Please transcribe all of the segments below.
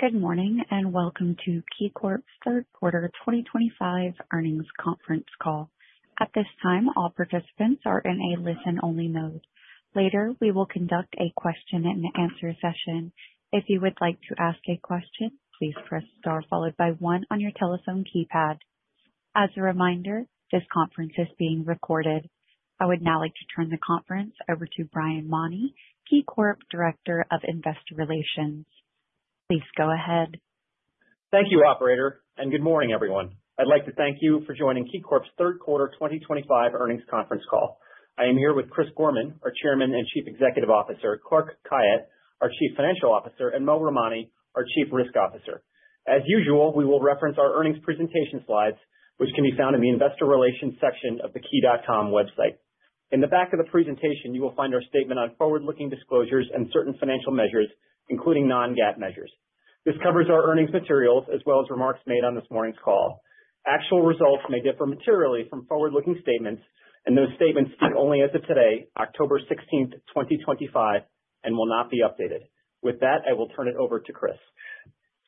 Good morning and welcome to KeyCorp's Q3 2025 Earnings Conference Call. At this time, all participants are in a listen-only mode. Later, we will conduct a question-and-answer session. If you would like to ask a question, please press star followed by one on your telephone keypad. As a reminder, this conference is being recorded. I would now like to turn the conference over to Brian Mauney, KeyCorp Director of Investor Relations. Please go ahead. Thank you, Operator, and good morning, everyone. I'd like to thank you for joining KeyCorp's Q3 2025 Earnings Conference Call. I am here with Chris Gorman, our Chairman and Chief Executive Officer, Clark Khayat, our Chief Financial Officer, and Mo Ramani, our Chief Risk Officer. As usual, we will reference our earnings presentation slides, which can be found in the Investor Relations section of the Key.com website. In the back of the presentation, you will find our statement on forward-looking disclosures and certain financial measures, including non-GAAP measures. This covers our earnings materials as well as remarks made on this morning's call. Actual results may differ materially from forward-looking statements, and those statements speak only as of today, October 16, 2025, and will not be updated. With that, I will turn it over to Chris.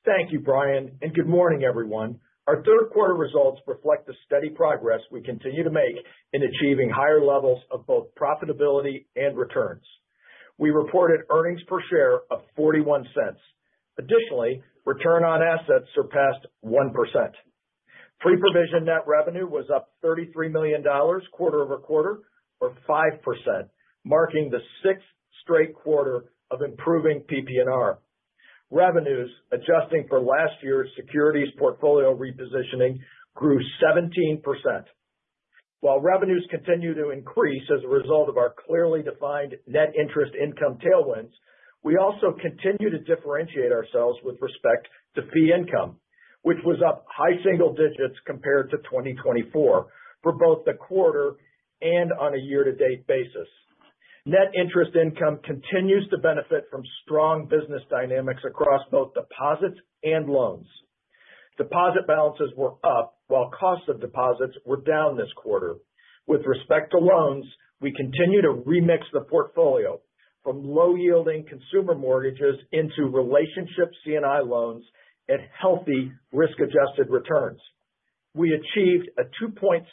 Thank you, Brian, and good morning, everyone. Our Q3 results reflect the steady progress we continue to make in achieving higher levels of both profitability and returns. We reported earnings per share of $0.41. Additionally, Return on assets surpassed 1%. Pre-provision net revenue was up $33 million quarter over quarter, or 5%, marking the sixth straight quarter of improving PPNR. Revenues, adjusting for last year's securities portfolio repositioning, grew 17%. While revenues continue to increase as a result of our clearly defined Net interest income tailwinds, we also continue to differentiate ourselves with respect to fee income, which was up high single digits compared to 2024 for both the quarter and on a year-to-date basis. Net interest income continues to benefit from strong business dynamics across both deposits and loans. Deposit balances were up, while cost of deposits were down this quarter. With respect to loans, we continue to remix the portfolio from low-yielding consumer mortgages into relationship C&I loans at healthy risk-adjusted returns. We achieved a 2.75%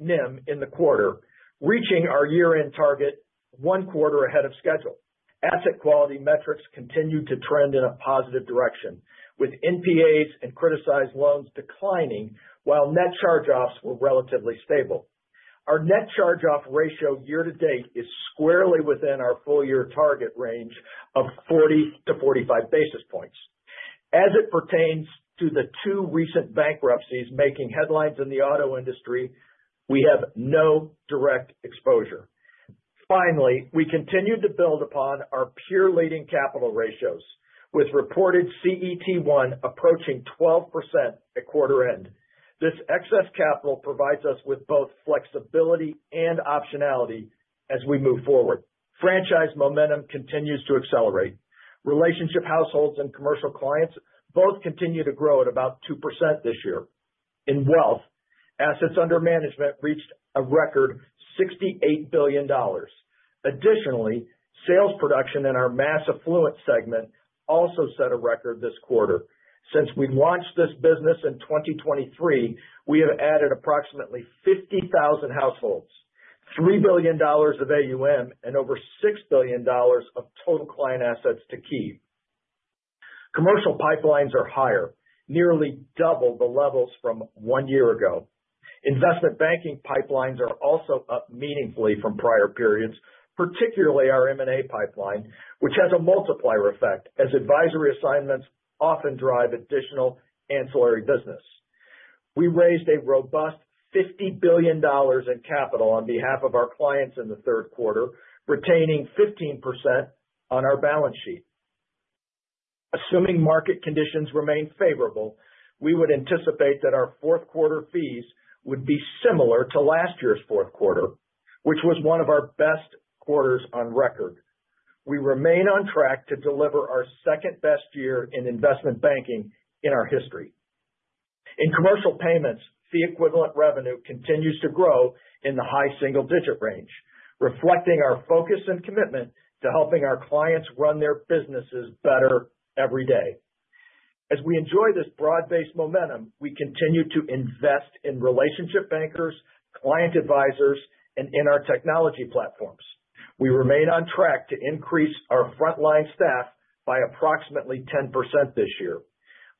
NIM in the quarter, reaching our year-end target one quarter ahead of schedule. Asset quality metrics continued to trend in a positive direction, with NPAs and Criticized loans declining while Net charge-offs were relatively stable. Our net charge-off ratio year-to-date is squarely within our full-year target range of basis points. as it pertains to the two recent bankruptcies making headlines in the auto industry, we have no direct exposure. Finally, we continue to build upon our peer-leading capital ratios, with reported CET1 approaching 12% at quarter end. This excess capital provides us with both flexibility and optionality as we move forward. Franchise momentum continues to accelerate. Relationship households and commercial clients both continue to grow at about 2% this year. In wealth, assets under management reached a record $68 billion. Additionally, sales production in our mass affluence segment also set a record this quarter. Since we launched this business in 2023, we have added approximately 50,000 households, $3 billion of AUM, and over $6 billion of total client assets to Key. Commercial pipelines are higher, nearly double the levels from one year ago. Investment banking pipelines are also up meaningfully from prior periods, particularly our M&A pipeline, which has a multiplier effect as advisory assignments often drive additional ancillary business. We raised a robust $50 billion in capital on behalf of our clients in the Q3, retaining 15% on our balance sheet. Assuming market conditions remain favorable, we would anticipate that our Q4 fees would be similar to last year's Q4, which was one of our best quarters on record. We remain on track to deliver our second-best year in investment banking in our history. In commercial payments, Fee-equivalent revenue continues to grow in the high single-digit range, reflecting our focus and commitment to helping our clients run their businesses better every day. As we enjoy this broad-based momentum, we continue to invest in relationship bankers, client advisors, and in our technology platforms. We remain on track to increase our frontline staff by approximately 10% this year.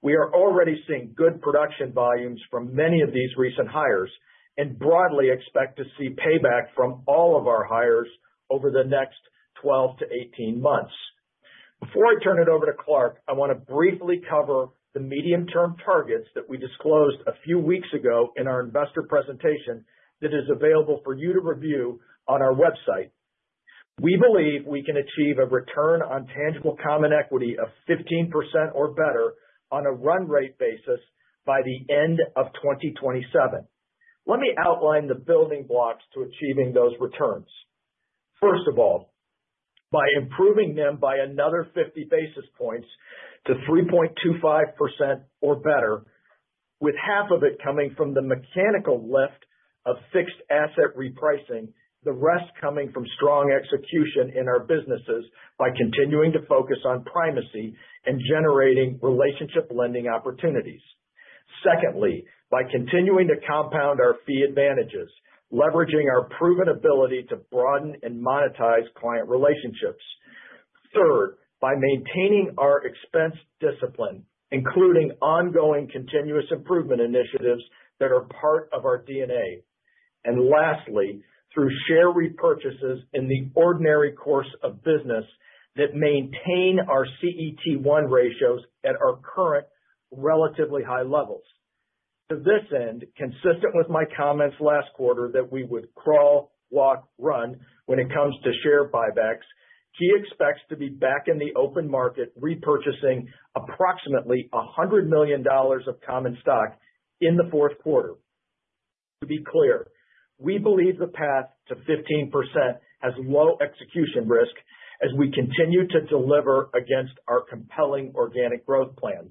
We are already seeing good production volumes from many of these recent hires and broadly expect to see payback from all of our hires over the next 12-18 months. Before I turn it over to Clark, I want to briefly cover the medium-term targets that we disclosed a few weeks ago in our investor presentation that is available for you to review on our website. We believe we can achieve a Return on tangible common equity of 15% or better on a run rate basis by the end of 2027. Let me outline the building blocks to achieving those returns. First of all, by improving them by another basis points to 3.25% or better, with half of it coming from the mechanical lift of fixed asset repricing, the rest coming from strong execution in our businesses by continuing to focus on primacy and generating relationship lending opportunities. Secondly, by continuing to compound our fee advantages, leveraging our proven ability to broaden and monetize client relationships. Third, by maintaining our expense discipline, including ongoing continuous improvement initiatives that are part of our DNA. And lastly, through share repurchases in the ordinary course of business that maintain our CET1 ratios at our current relatively high levels. To this end, consistent with my comments last quarter that we would crawl, walk, run when it comes to share buybacks, Key expects to be back in the open market repurchasing approximately $100 million of common stock in the Q4. To be clear, we believe the path to 15% has low execution risk as we continue to deliver against our compelling organic growth plan.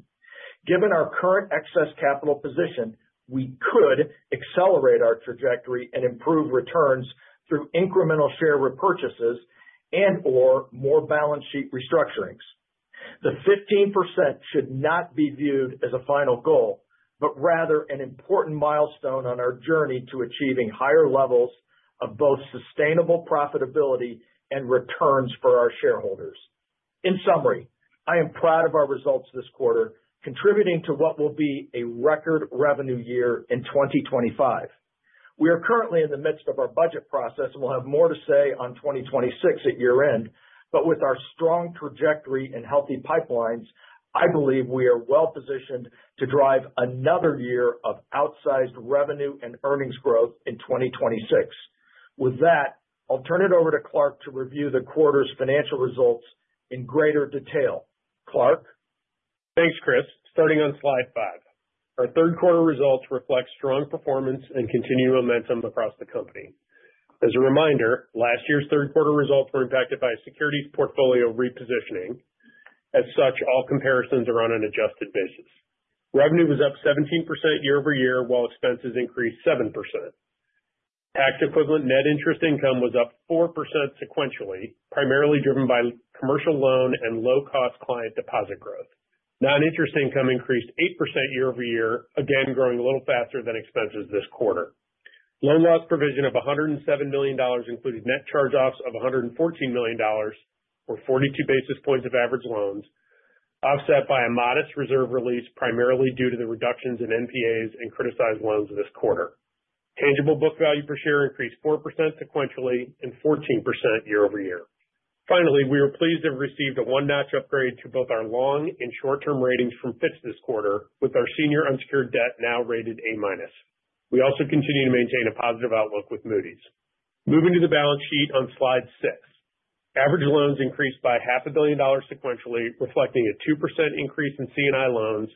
Given our current excess capital position, we could accelerate our trajectory and improve returns through incremental share repurchases and/or more balance sheet restructurings. The 15% should not be viewed as a final goal, but rather an important milestone on our journey to achieving higher levels of both sustainable profitability and returns for our shareholders. In summary, I am proud of our results this quarter, contributing to what will be a record revenue year in 2025. We are currently in the midst of our budget process and will have more to say on 2026 at year-end, but with our strong trajectory and healthy pipelines, I believe we are well-positioned to drive another year of outsized revenue and earnings growth in 2026. With that, I'll turn it over to Clark to review the quarter's financial results in greater detail. Clark? Thanks, Chris. Starting on slide five, our Q3 results reflect strong performance and continued momentum across the company. As a reminder, last year's Q3 results were impacted by securities portfolio repositioning. As such, all comparisons are on an adjusted basis. Revenue was up 17% year-over-year, while expenses increased 7%. Tax-equivalent Net interest income was up 4% sequentially, primarily driven by commercial loan and low-cost client deposit growth. Non-interest income increased 8% year-over-year, again growing a little faster than expenses this quarter. Loan loss provision of $107 million included Net charge-offs of $114 million, or basis points of average loans, offset by a modest reserve release primarily due to the reductions in NPAs and Criticized loans this quarter. Tangible book value per share increased 4% sequentially and 14% year-over-year. Finally, we are pleased to have received a one-notch upgrade to both our long and short-term ratings from Fitch this quarter, with our senior unsecured debt now rated A-. We also continue to maintain a positive outlook with Moody's. Moving to the balance sheet on slide six, average loans increased by $500 million sequentially, reflecting a 2% increase in C&I loans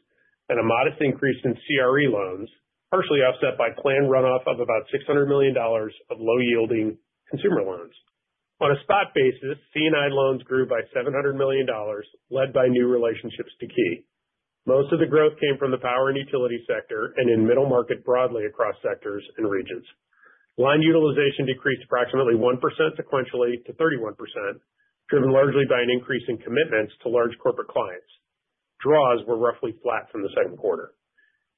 and a modest increase in CRE loans, partially offset by planned runoff of about $600 million of low-yielding consumer loans. On a spot basis, C&I loans grew by $700 million, led by new relationships to Key. Most of the growth came from the power and utility sector and in middle market broadly across sectors and regions. Line utilization decreased approximately 1% sequentially to 31%, driven largely by an increase in commitments to large corporate clients. Draws were roughly flat from the Q2.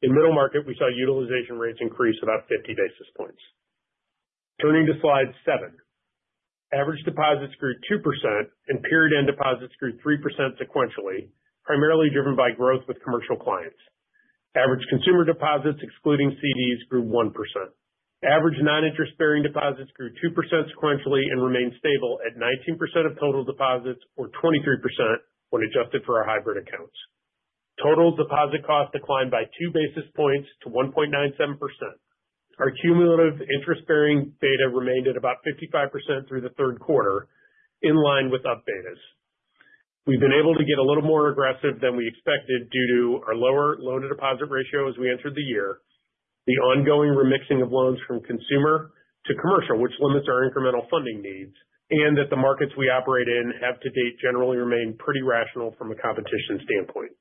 In middle market, we saw utilization rates increase about basis points. turning to slide seven, average deposits grew 2% and period-end deposits grew 3% sequentially, primarily driven by growth with commercial clients. Average consumer deposits, excluding CDs, grew 1%. Average non-interest-bearing deposits grew 2% sequentially and remained stable at 19% of total deposits, or 23% when adjusted for our hybrid accounts. Total deposit costs declined by basis points to 1.97%. Our cumulative interest-bearing data remained at about 55% through the Q3, in line with up beta. We've been able to get a little more aggressive than we expected due to our lower loan-to-deposit ratio as we entered the year, the ongoing remixing of loans from consumer to commercial, which limits our incremental funding needs, and that the markets we operate in have to date generally remained pretty rational from a competition standpoint.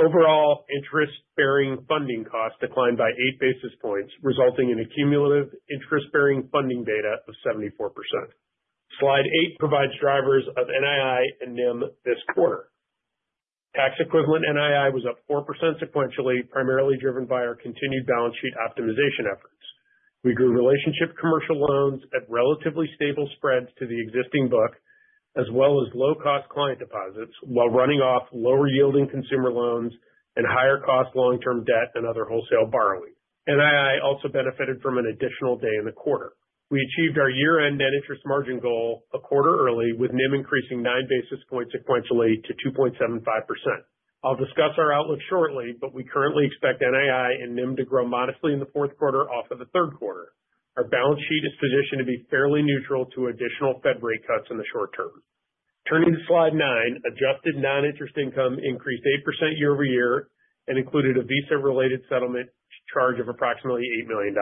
Overall, interest-bearing funding costs declined by basis points, resulting in a cumulative interest-bearing funding beta of 74%. Slide eight provides drivers of NII and NIM this quarter. Tax-equivalent NII was up 4% sequentially, primarily driven by our continued balance sheet optimization efforts. We grew relationship commercial loans at relatively stable spreads to the existing book, as well as low-cost client deposits, while running off lower-yielding consumer loans and higher-cost long-term debt and other wholesale borrowing. NII also benefited from an additional day in the quarter. We achieved our year-end Net interest margin goal a quarter early, with NIM increasing basis points sequentially to 2.75%. I'll discuss our outlook shortly, but we currently expect NII and NIM to grow modestly in the Q4 off of the Q3. Our balance sheet is positioned to be fairly neutral to additional Fed rate cuts in the short term. Turning to slide nine, adjusted non-interest income increased 8% year-over-year and included a Visa-related settlement charge of approximately $8 million.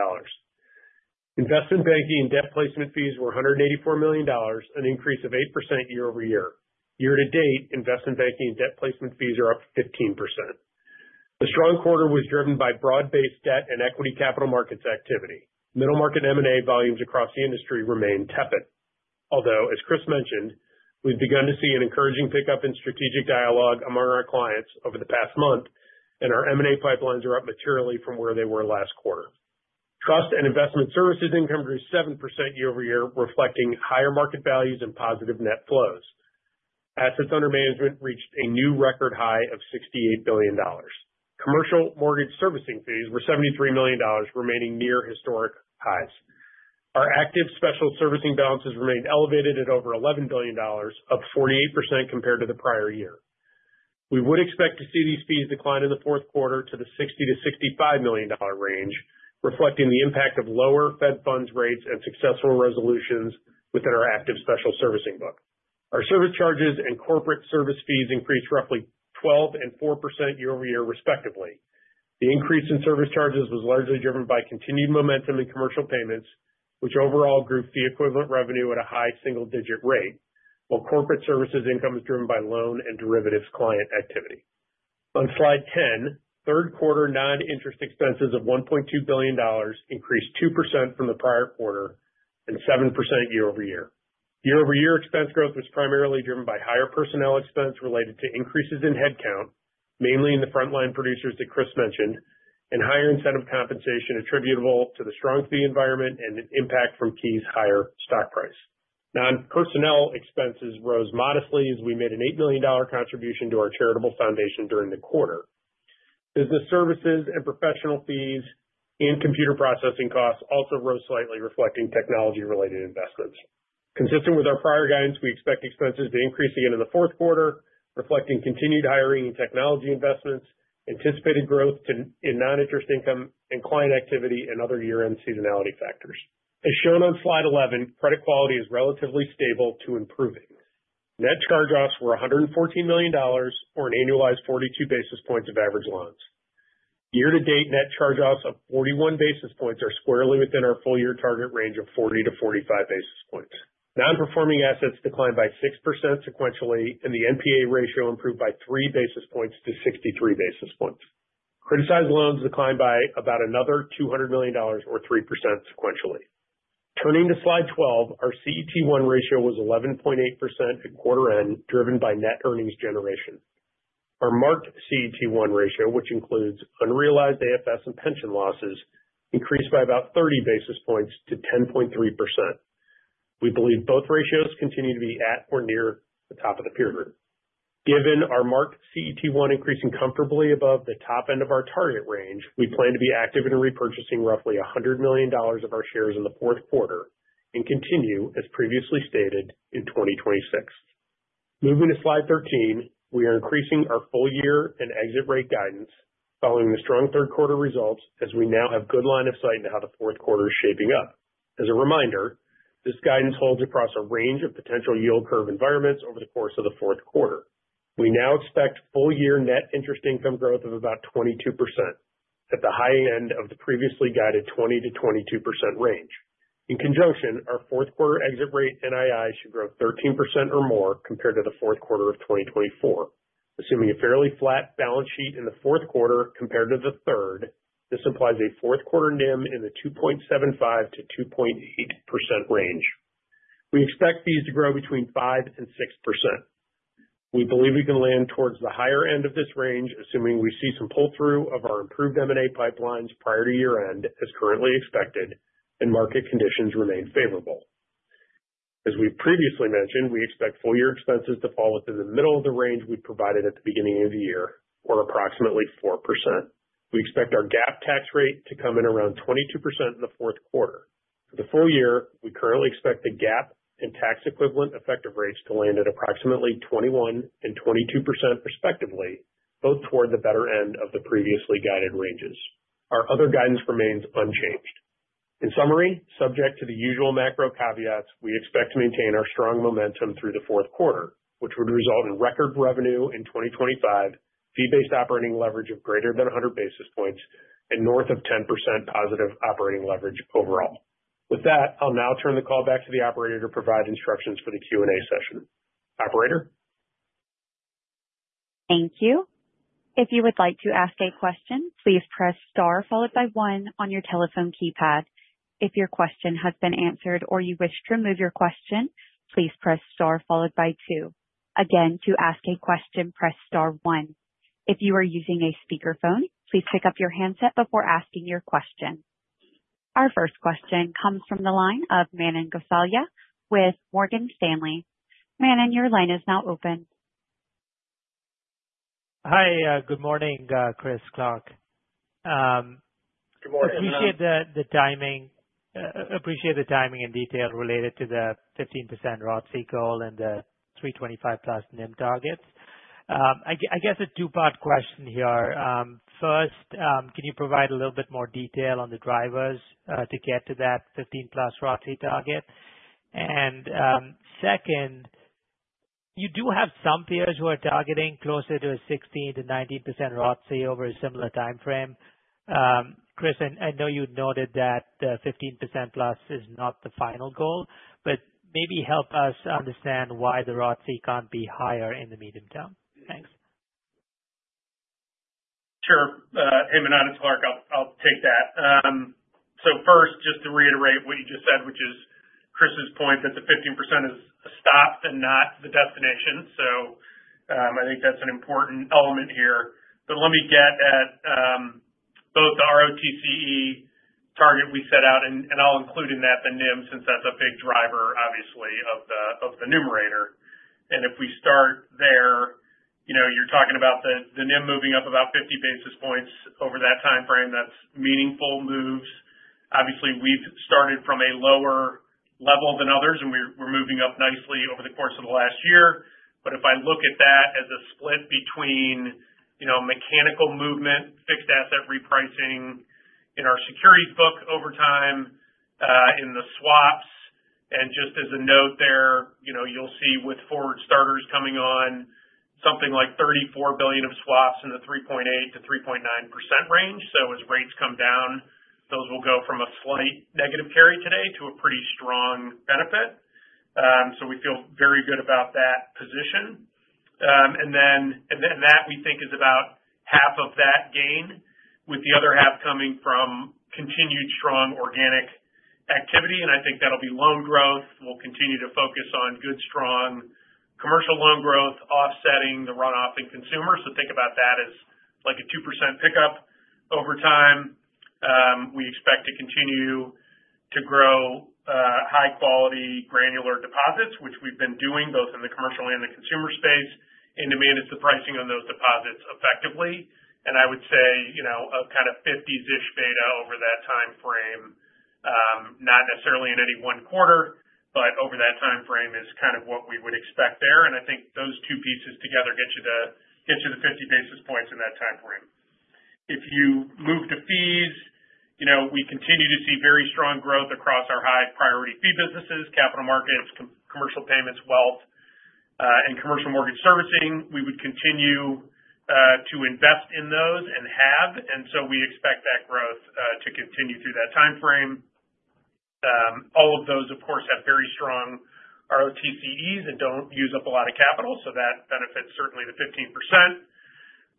Investment banking and debt placement fees were $184 million, an increase of 8% year-over-year. Year-to-date, investment banking and debt placement fees are up 15%. The strong quarter was driven by broad-based debt and equity capital markets activity. Middle market M&A volumes across the industry remain tepid. Although, as Chris mentioned, we've begun to see an encouraging pickup in strategic dialogue among our clients over the past month, and our M&A pipelines are up materially from where they were last quarter. Trust and investment services income grew 7% year-over-year, reflecting higher market values and positive net flows. Assets under management reached a new record high of $68 billion. Commercial mortgage servicing fees were $73 million, remaining near historic highs. Our active special servicing balances remained elevated at over $11 billion, up 48% compared to the prior year. We would expect to see these fees decline in the Q4 to the $60-65 million range, reflecting the impact of lower Fed funds rates and successful resolutions within our active special servicing book. Our service charges and corporate service fees increased roughly 12 and 4% year-over-year, respectively. The increase in service charges was largely driven by continued momentum in commercial payments, which overall grew Fee-equivalent revenue at a high single-digit rate, while corporate services income was driven by loan and derivatives client activity. On slide ten, Q3 non-interest expenses of $1.2 billion increased 2% from the prior quarter and 7% year-over-year. Year-over-year expense growth was primarily driven by higher personnel expense related to increases in headcount, mainly in the frontline producers that Chris mentioned, and higher incentive compensation attributable to the strong fee environment and an impact from Key's higher stock price. Non-personnel expenses rose modestly as we made an $8 million contribution to our charitable foundation during the quarter. Business services and professional fees and computer processing costs also rose slightly, reflecting technology-related investments. Consistent with our prior guidance, we expect expenses to increase again in the Q4, reflecting continued hiring and technology investments, anticipated growth in non-interest income and client activity, and other year-end seasonality factors. As shown on slide 11, credit quality is relatively stable to improving. Net charge-offs were $114 million, or an annualized basis points of average loans. Year-to-date, Net charge-offs of basis points are squarely within our full-year target range of 40 to basis points. non-performing assets declined by 6% sequentially, and the NPA ratio improved by basis points to basis points. criticized loans declined by about another $200 million, or 3% sequentially. Turning to slide 12, our CET1 ratio was 11.8% at quarter end, driven by net earnings generation. Our marked CET1 ratio, which includes unrealized AFS and pension losses, increased by about basis points to 10.3%. We believe both ratios continue to be at or near the top of the peer group. Given our marked CET1 increasing comfortably above the top end of our target range, we plan to be active in repurchasing roughly $100 million of our shares in the Q4 and continue, as previously stated, in 2026. Moving to slide 13, we are increasing our full-year and exit rate guidance following the strong Q3 results as we now have good line of sight into how the Q4 is shaping up. As a reminder, this guidance holds across a range of potential yield curve environments over the course of the Q4. We now expect full-year Net interest income growth of about 22% at the high end of the previously guided 20%-22% range. In conjunction, our Q4 exit rate NII should grow 13% or more compared to the Q4 of 2024. Assuming a fairly flat balance sheet in the Q4 compared to the third, this implies a Q4 NIM in the 2.75%-2.8% range. We expect these to grow between 5%-6%. We believe we can land towards the higher end of this range, assuming we see some pull-through of our improved M&A pipelines prior to year-end, as currently expected, and market conditions remain favorable. As we previously mentioned, we expect full-year expenses to fall within the middle of the range we provided at the beginning of the year, or approximately 4%. We expect our GAAP tax rate to come in around 22% in the Q4. For the full year, we currently expect the GAAP and tax-equivalent effective rates to land at approximately 21 and 22% respectively, both toward the better end of the previously guided ranges. Our other guidance remains unchanged. In summary, subject to the usual macro caveats, we expect to maintain our strong momentum through the Q4, which would result in record revenue in 2025, fee-based operating leverage of greater than basis points, and north of 10% positive operating leverage overall. With that, I'll now turn the call back to the operator to provide instructions for the Q&A session. Operator? Thank you. If you would like to ask a question, please press star followed by one on your telephone keypad. If your question has been answered or you wish to remove your question, please press star followed by two. Again, to ask a question, press star one. If you are using a speakerphone, please pick up your handset before asking your question. Our first question comes from the line of Manan Gosalia with Morgan Stanley. Manon, your line is now open. Hi, good morning, Chris, Clark. Good morning. Appreciate the timing in detail related to the 15% ROTCE goal and the 325-plus NIM targets. I guess a two-part question here. First, can you provide a little bit more detail on the drivers to get to that 15-plus ROTCE target? And second, you do have some peers who are targeting closer to a 16%-19% ROTCE over a similar time frame. Chris, I know you noted that 15% plus is not the final goal, but maybe help us understand why the ROTCE can't be higher in the medium term? Thanks. Sure. Hey, Manon, it's Clark. I'll take that. So first, just to reiterate what you just said, which is Chris's point that the 15% is stop and not the destination. So I think that's an important element here. But let me get at both the ROTCE target we set out, and I'll include in that the NIM since that's a big driver, obviously, of the numerator. And if we start there, you're talking about the NIM moving up about basis points over that time frame. That's meaningful moves. Obviously, we've started from a lower level than others, and we're moving up nicely over the course of the last year. But if I look at that as a split between mechanical movement, fixed asset repricing in our securities book over time, in the swaps, and just as a note there, you'll see with forward starters coming on, something like $34 billion of swaps in the 3.8%-3.9% range. So as rates come down, those will go from a slight negative carry today to a pretty strong benefit. So we feel very good about that position. And then that, we think, is about half of that gain, with the other half coming from continued strong organic activity. And I think that'll be loan growth. We'll continue to focus on good, strong commercial loan growth offsetting the runoff in consumers. So think about that as like a 2% pickup over time. We expect to continue to grow high-quality granular deposits, which we've been doing both in the commercial and the consumer space, and to manage the pricing on those deposits effectively. And I would say a kind of 50-ish beta over that time frame, not necessarily in any one quarter, but over that time frame is kind of what we would expect there. And I think those two pieces together get you to basis points in that time frame. If you move to fees, we continue to see very strong growth across our high-priority fee businesses, capital markets, commercial payments, wealth, and commercial mortgage servicing. We would continue to invest in those and have. And so we expect that growth to continue through that time frame. All of those, of course, have very strong ROTCEs and don't use up a lot of capital. So that benefits certainly the 15%.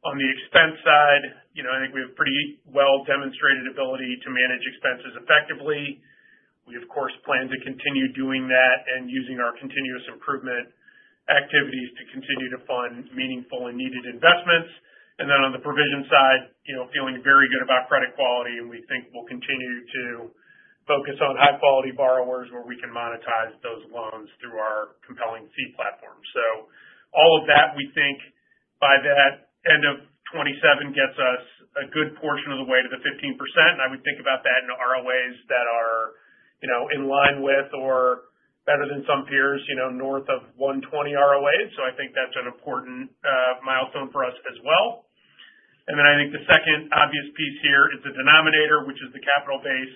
On the expense side, I think we have pretty well-demonstrated ability to manage expenses effectively. We, of course, plan to continue doing that and using our continuous improvement activities to continue to fund meaningful and needed investments. And then on the provision side, feeling very good about credit quality, and we think we'll continue to focus on high-quality borrowers where we can monetize those loans through our compelling fee platform. So all of that, we think, by the end of 2027, gets us a good portion of the way to the 15%. And I would think about that in ROAs that are in line with or better than some peers north of 120 ROAs. So I think that's an important milestone for us as well. And then I think the second obvious piece here is the denominator, which is the capital base.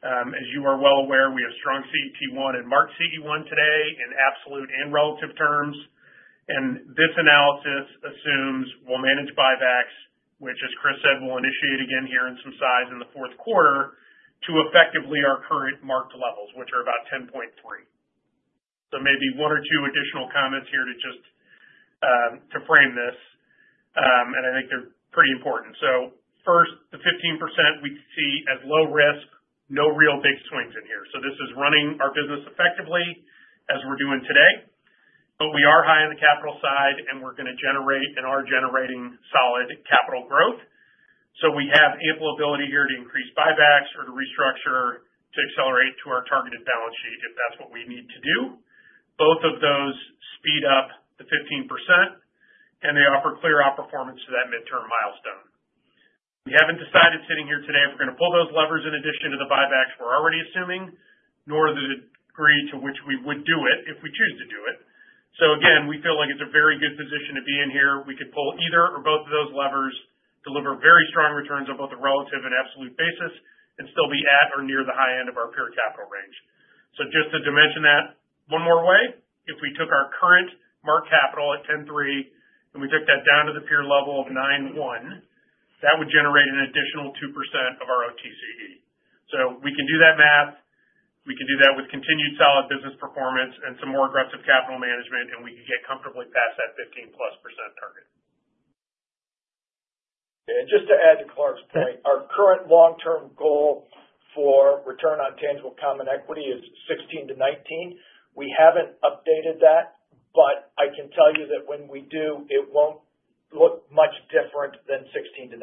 As you are well aware, we have strong CET1 and marked CET1 today in absolute and relative terms. And this analysis assumes we'll manage buybacks, which, as Chris said, we'll initiate again here in some size in the Q4 to effectively our current marked levels, which are about 10.3. So maybe one or two additional comments here to frame this. And I think they're pretty important. So first, the 15% we see as low risk, no real big swings in here. So this is running our business effectively as we're doing today. But we are high on the capital side, and we're going to generate and are generating solid capital growth. So we have ample ability here to increase buybacks or to restructure to accelerate to our targeted balance sheet if that's what we need to do. Both of those speed up the 15%, and they offer clear outperformance to that midterm milestone. We haven't decided sitting here today if we're going to pull those levers in addition to the buybacks we're already assuming, nor the degree to which we would do it if we choose to do it. So again, we feel like it's a very good position to be in here. We could pull either or both of those levers, deliver very strong returns on both the relative and absolute basis, and still be at or near the high end of our peer capital range. So just to dimension that one more way, if we took our current marked capital at 10.3 and we took that down to the peer level of 9.1, that would generate an additional 2% of our ROTCE. So we can do that math. We can do that with continued solid business performance and some more aggressive capital management, and we can get comfortably past that 15-plus% target, and just to add to Clark's point, our current long-term goal for Return on tangible common equity is 16%-19%. We haven't updated that, but I can tell you that when we do, it won't look much different than 16%-19%.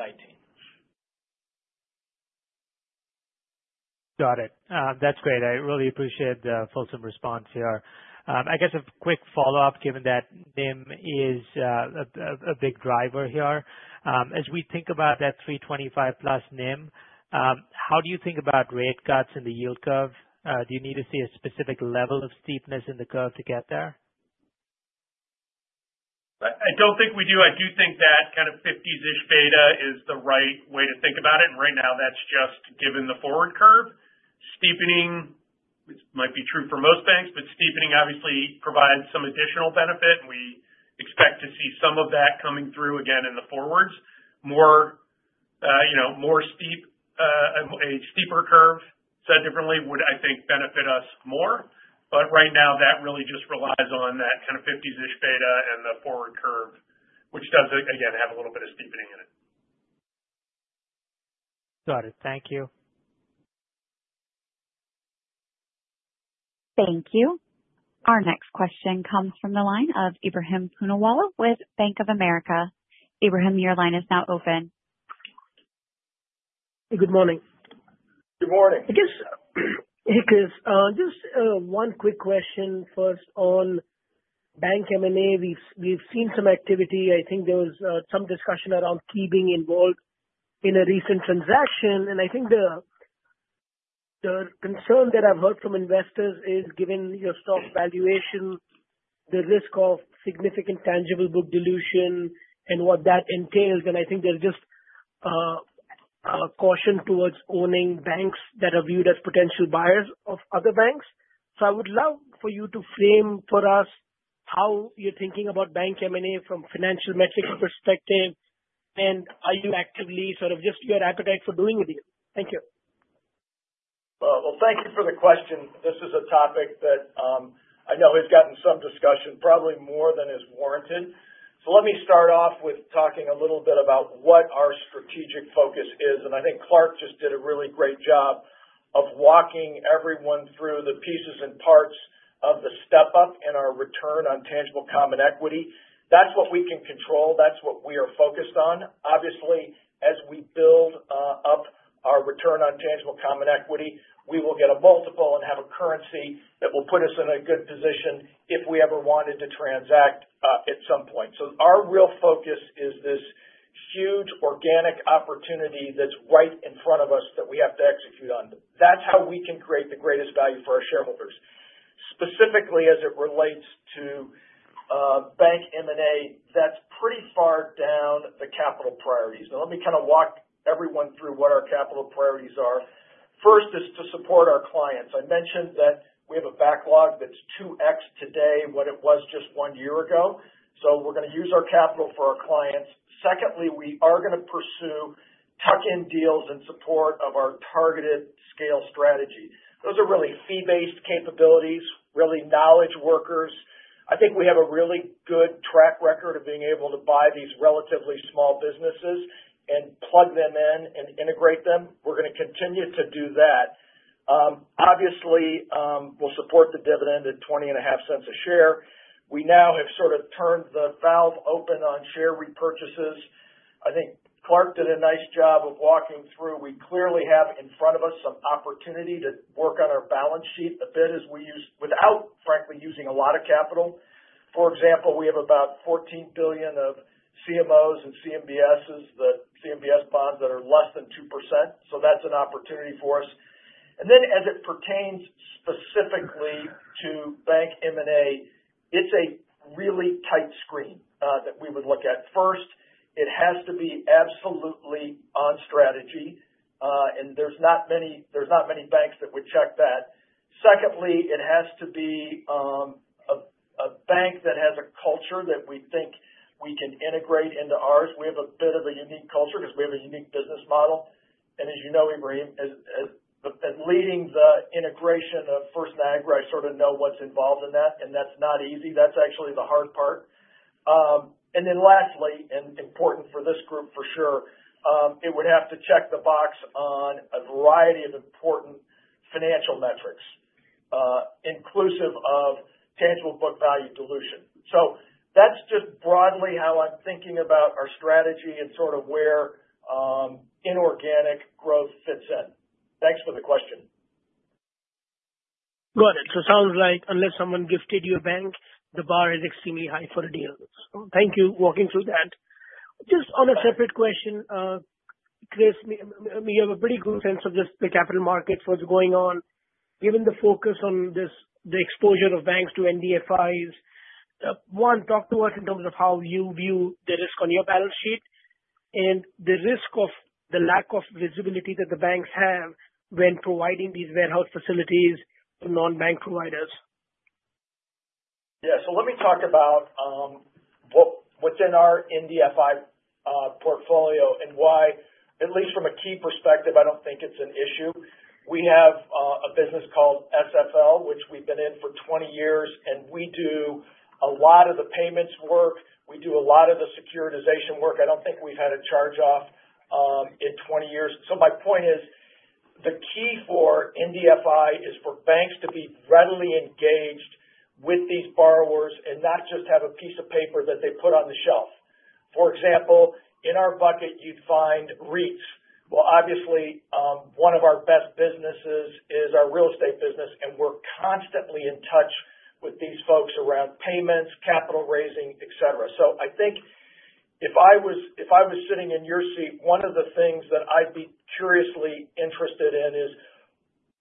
Got it. That's great. I really appreciate the fulsome response here. I guess a quick follow-up, given that NIM is a big driver here. As we think about that 325-plus NIM, how do you think about rate cuts in the yield curve? Do you need to see a specific level of steepness in the curve to get there? I don't think we do. I do think that kind of 50-ish beta is the right way to think about it. And right now, that's just given the forward curve. Steepening, which might be true for most banks, but steepening obviously provides some additional benefit. And we expect to see some of that coming through again in the forwards. More steep, a steeper curve, said differently, would, I think, benefit us more. But right now, that really just relies on that kind of 50-ish beta and the forward curve, which does, again, have a little bit of steepening in it. Got it. Thank you. Thank you. Our next question comes from the line of Ibrahim Poonawalla with Bank of America. Ibrahim, your line is now open. Hey, good morning. Good morning. I guess just one quick question first. On Bank M&A, we've seen some activity. I think there was some discussion around Key being involved in a recent transaction. And I think the concern that I've heard from investors is, given your stock valuation, the risk of significant tangible book dilution and what that entails. And I think there's just a caution towards owning banks that are viewed as potential buyers of other banks. So I would love for you to frame for us how you're thinking about Bank M&A from a financial metric perspective, and are you actively sort of just your appetite for doing it? Thank you. Thank you for the question. This is a topic that I know has gotten some discussion, probably more than is warranted. Let me start off with talking a little bit about what our strategic focus is. I think Clark just did a really great job of walking everyone through the pieces and parts of the step-up in our Return on tangible common equity. That's what we can control. That's what we are focused on. Obviously, as we build up our Return on tangible common equity, we will get a multiple and have a currency that will put us in a good position if we ever wanted to transact at some point. Our real focus is this huge organic opportunity that's right in front of us that we have to execute on. That's how we can create the greatest value for our shareholders. Specifically, as it relates to bank M&A, that's pretty far down the capital priorities. Now, let me kind of walk everyone through what our capital priorities are. First is to support our clients. I mentioned that we have a backlog that's 2x today what it was just one year ago. So we're going to use our capital for our clients. Secondly, we are going to pursue tuck-in deals in support of our targeted scale strategy. Those are really fee-based capabilities, really knowledge workers. I think we have a really good track record of being able to buy these relatively small businesses and plug them in and integrate them. We're going to continue to do that. Obviously, we'll support the dividend at $0.205 a share. We now have sort of turned the valve open on share repurchases. I think Clark did a nice job of walking through. We clearly have in front of us some opportunity to work on our balance sheet a bit without, frankly, using a lot of capital. For example, we have about $14 billion of CMOs and CMBSs, the CMBS bonds that are less than 2%. So that's an opportunity for us. And then as it pertains specifically to Bank M&A, it's a really tight screen that we would look at. First, it has to be absolutely on strategy, and there's not many banks that would check that. Secondly, it has to be a bank that has a culture that we think we can integrate into ours. We have a bit of a unique culture because we have a unique business model. And as you know, Ibrahim, leading the integration of First Niagara, I sort of know what's involved in that, and that's not easy. That's actually the hard part. And then lastly, and important for this group for sure, it would have to check the box on a variety of important financial metrics, inclusive of tangible book value dilution. So that's just broadly how I'm thinking about our strategy and sort of where inorganic growth fits in. Thanks for the question. Got it. So it sounds like unless someone gifted you a bank, the bar is extremely high for a deal. So thank you for walking through that. Just on a separate question, Chris, you have a pretty good sense of just the capital market, what's going on, given the focus on the exposure of banks to NDFIs. One, talk to us in terms of how you view the risk on your balance sheet and the risk of the lack of visibility that the banks have when providing these warehouse facilities to non-bank providers. Yeah. So let me talk about what's in our NDFI portfolio and why, at least from a key perspective, I don't think it's an issue. We have a business called SFL, which we've been in for 20 years, and we do a lot of the payments work. We do a lot of the securitization work. I don't think we've had a charge-off in 20 years. So my point is the key for NDFI is for banks to be readily engaged with these borrowers and not just have a piece of paper that they put on the shelf. For example, in our bucket, you'd find REITs. Well, obviously, one of our best businesses is our real estate business, and we're constantly in touch with these folks around payments, capital raising, etc. So I think if I was sitting in your seat, one of the things that I'd be curiously interested in is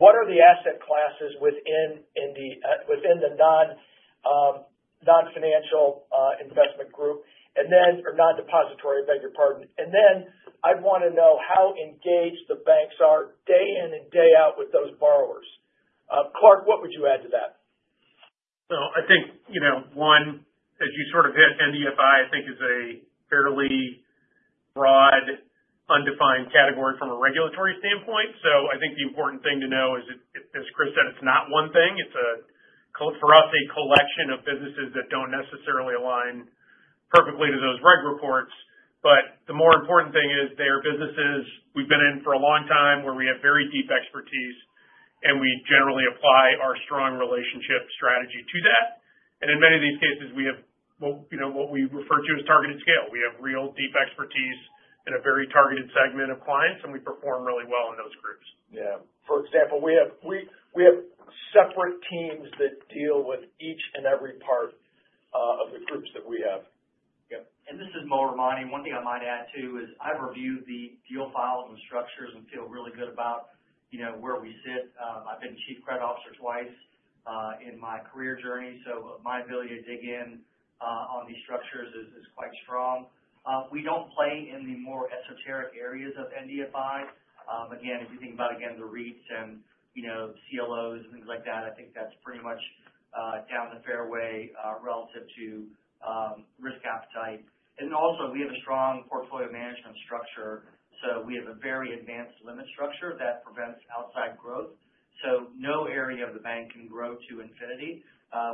what are the asset classes within the non-financial investment group or non-depository, I beg your pardon, and then I'd want to know how engaged the banks are day in and day out with those borrowers. Clark, what would you add to that? I think one, as you sort of hit, NDFI, I think, is a fairly broad, undefined category from a regulatory standpoint. So I think the important thing to know is, as Chris said, it's not one thing. It's, for us, a collection of businesses that don't necessarily align perfectly to those reg reports. But the more important thing is they are businesses we've been in for a long time where we have very deep expertise, and we generally apply our strong relationship strategy to that. And in many of these cases, we have what we refer to as targeted scale. We have real deep expertise in a very targeted segment of clients, and we perform really well in those groups. Yeah. For example, we have separate teams that deal with each and every part of the groups that we have. Yep, and this is Mo Ramani. One thing I might add too is I've reviewed the full files and structures and feel really good about where we sit. I've been chief credit officer twice in my career journey, so my ability to dig in on these structures is quite strong. We don't play in the more esoteric areas of NDFI. Again, if you think about, again, the REITs and CLOs and things like that, I think that's pretty much down the fairway relative to risk appetite. And also, we have a strong portfolio management structure. So we have a very advanced limit structure that prevents outside growth. So no area of the bank can grow to infinity.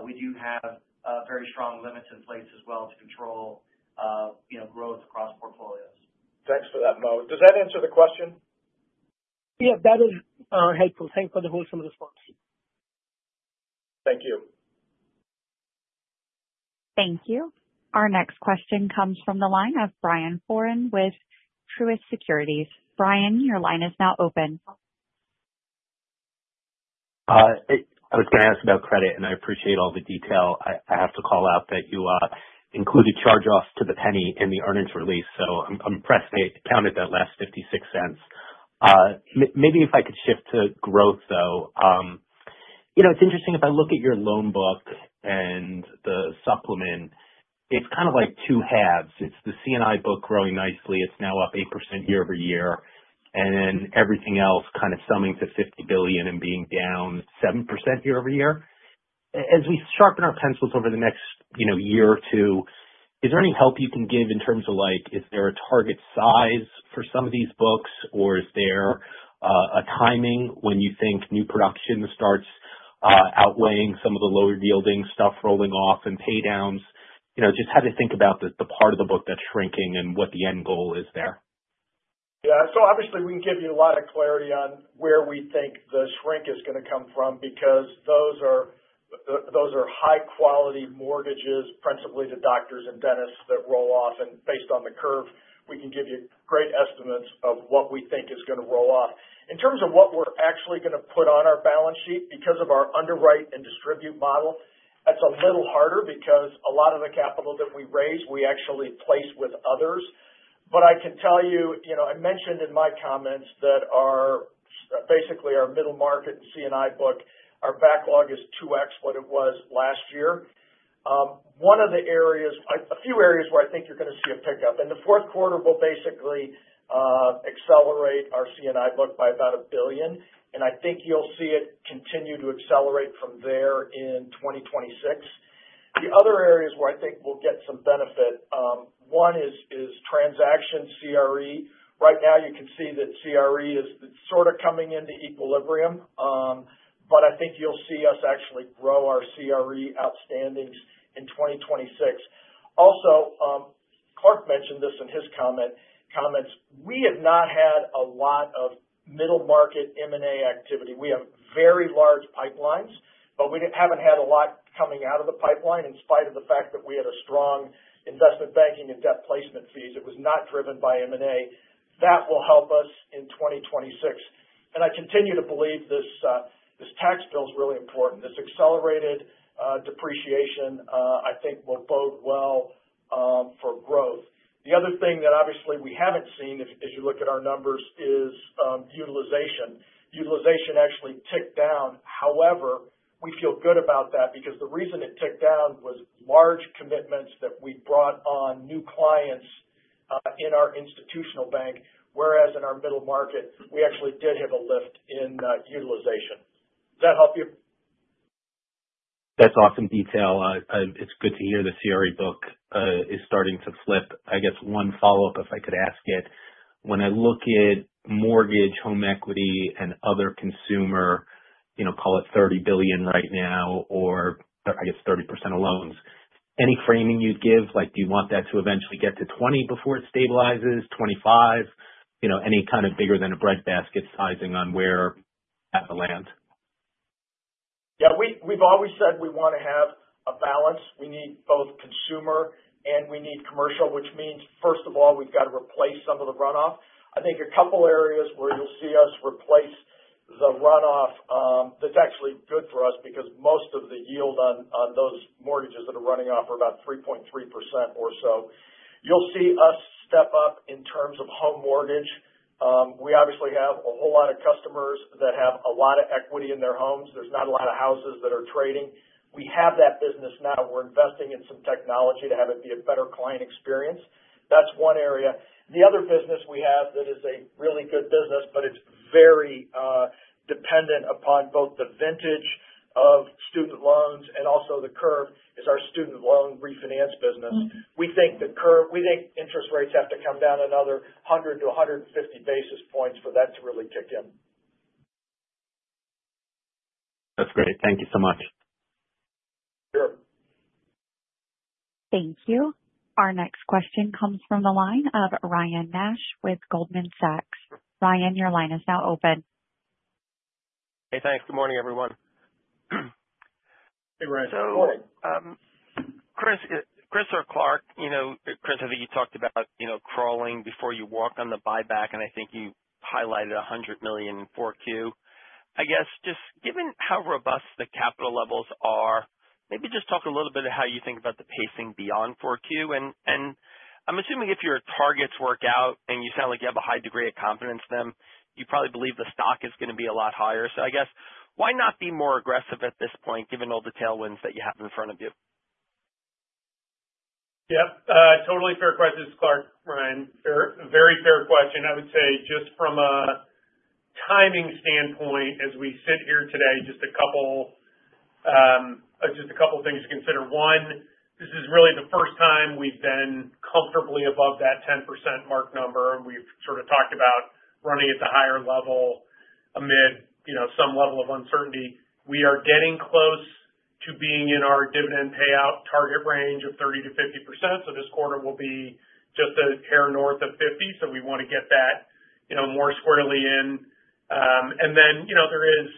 We do have very strong limits in place as well to control growth across portfolios. Thanks for that, Mo. Does that answer the question? Yeah, that is helpful. Thanks for the wholesome response. Thank you. Thank you. Our next question comes from the line of Brian Foran with Truist Securities. Brian, your line is now open. I was going to ask about credit, and I appreciate all the detail. I have to call out that you included charge-offs to the penny in the earnings release, so I'm impressed they accounted that last $0.56. Maybe if I could shift to growth, though. It's interesting if I look at your loan book and the supplement, it's kind of like two halves. It's the C&I book growing nicely. It's now up 8% year-over-year, and then everything else kind of summing to $50 billion and being down 7% year-over-year. As we sharpen our pencils over the next year or two, is there any help you can give in terms of is there a target size for some of these books, or is there a timing when you think new production starts outweighing some of the lower yielding stuff rolling off and paydowns? Just how to think about the part of the book that's shrinking and what the end goal is there? Yeah, so obviously, we can give you a lot of clarity on where we think the shrink is going to come from because those are high-quality mortgages, principally to doctors and dentists that roll off, and based on the curve, we can give you great estimates of what we think is going to roll off. In terms of what we're actually going to put on our balance sheet, because of our underwrite and distribute model, that's a little harder because a lot of the capital that we raise, we actually place with others, but I can tell you, I mentioned in my comments that basically our middle market and C&I book, our backlog is 2x what it was last year. One of the areas, a few areas where I think you're going to see a pickup, and the Q4 will basically accelerate our C&I book by about $1 billion. And I think you'll see it continue to accelerate from there in 2026. The other areas where I think we'll get some benefit, one is transaction CRE. Right now, you can see that CRE is sort of coming into equilibrium, but I think you'll see us actually grow our CRE outstandings in 2026. Also, Clark mentioned this in his comments. We have not had a lot of middle market M&A activity. We have very large pipelines, but we haven't had a lot coming out of the pipeline in spite of the fact that we had a strong investment banking and debt placement fees. It was not driven by M&A. That will help us in 2026. And I continue to believe this tax bill is really important. This accelerated depreciation, I think, will bode well for growth. The other thing that obviously we haven't seen, as you look at our numbers, is utilization. Utilization actually ticked down. However, we feel good about that because the reason it ticked down was large commitments that we brought on new clients in our institutional bank, whereas in our middle market, we actually did have a lift in utilization. Does that help you? That's awesome detail. It's good to hear the CRE book is starting to flip. I guess one follow-up, if I could ask it. When I look at mortgage, home equity, and other consumer, call it $30 billion right now, or I guess 30% of loans, any framing you'd give? Do you want that to eventually get to 20% before it stabilizes, 25%? Any kind of bigger than a breadbasket sizing on where to have the land? Yeah. We've always said we want to have a balance. We need both consumer and we need commercial, which means, first of all, we've got to replace some of the runoff. I think a couple of areas where you'll see us replace the runoff, that's actually good for us because most of the yield on those mortgages that are running off are about 3.3% or so. You'll see us step up in terms of home mortgage. We obviously have a whole lot of customers that have a lot of equity in their homes. There's not a lot of houses that are trading. We have that business now. We're investing in some technology to have it be a better client experience. That's one area. The other business we have that is a really good business, but it's very dependent upon both the vintage of student loans and also the curve is our student loan refinance business. We think the curve interest rates have to come down another basis points for that to really kick in. That's great. Thank you so much. Sure. Thank you. Our next question comes from the line of Ryan Nash with Goldman Sachs. Ryan, your line is now open. Hey, thanks. Good morning, everyone. Hey, Ryan. Good morning. Chris or Clark, Chris, I think you talked about crawling before you walk on the buyback, and I think you highlighted $100 million in 4Q. I guess just given how robust the capital levels are, maybe just talk a little bit of how you think about the pacing beyond 4Q, and I'm assuming if your targets work out and you sound like you have a high degree of confidence in them, you probably believe the stock is going to be a lot higher, so I guess why not be more aggressive at this point, given all the tailwinds that you have in front of you? Yep. Totally fair questions, Clark, Ryan. Very fair question. I would say just from a timing standpoint, as we sit here today, just a couple of things to consider. One, this is really the first time we've been comfortably above that 10% mark number, and we've sort of talked about running at the higher level amid some level of uncertainty. We are getting close to being in our dividend payout target range of 30%-50%. So this quarter will be just a hair north of 50%. So we want to get that more squarely in. And then there is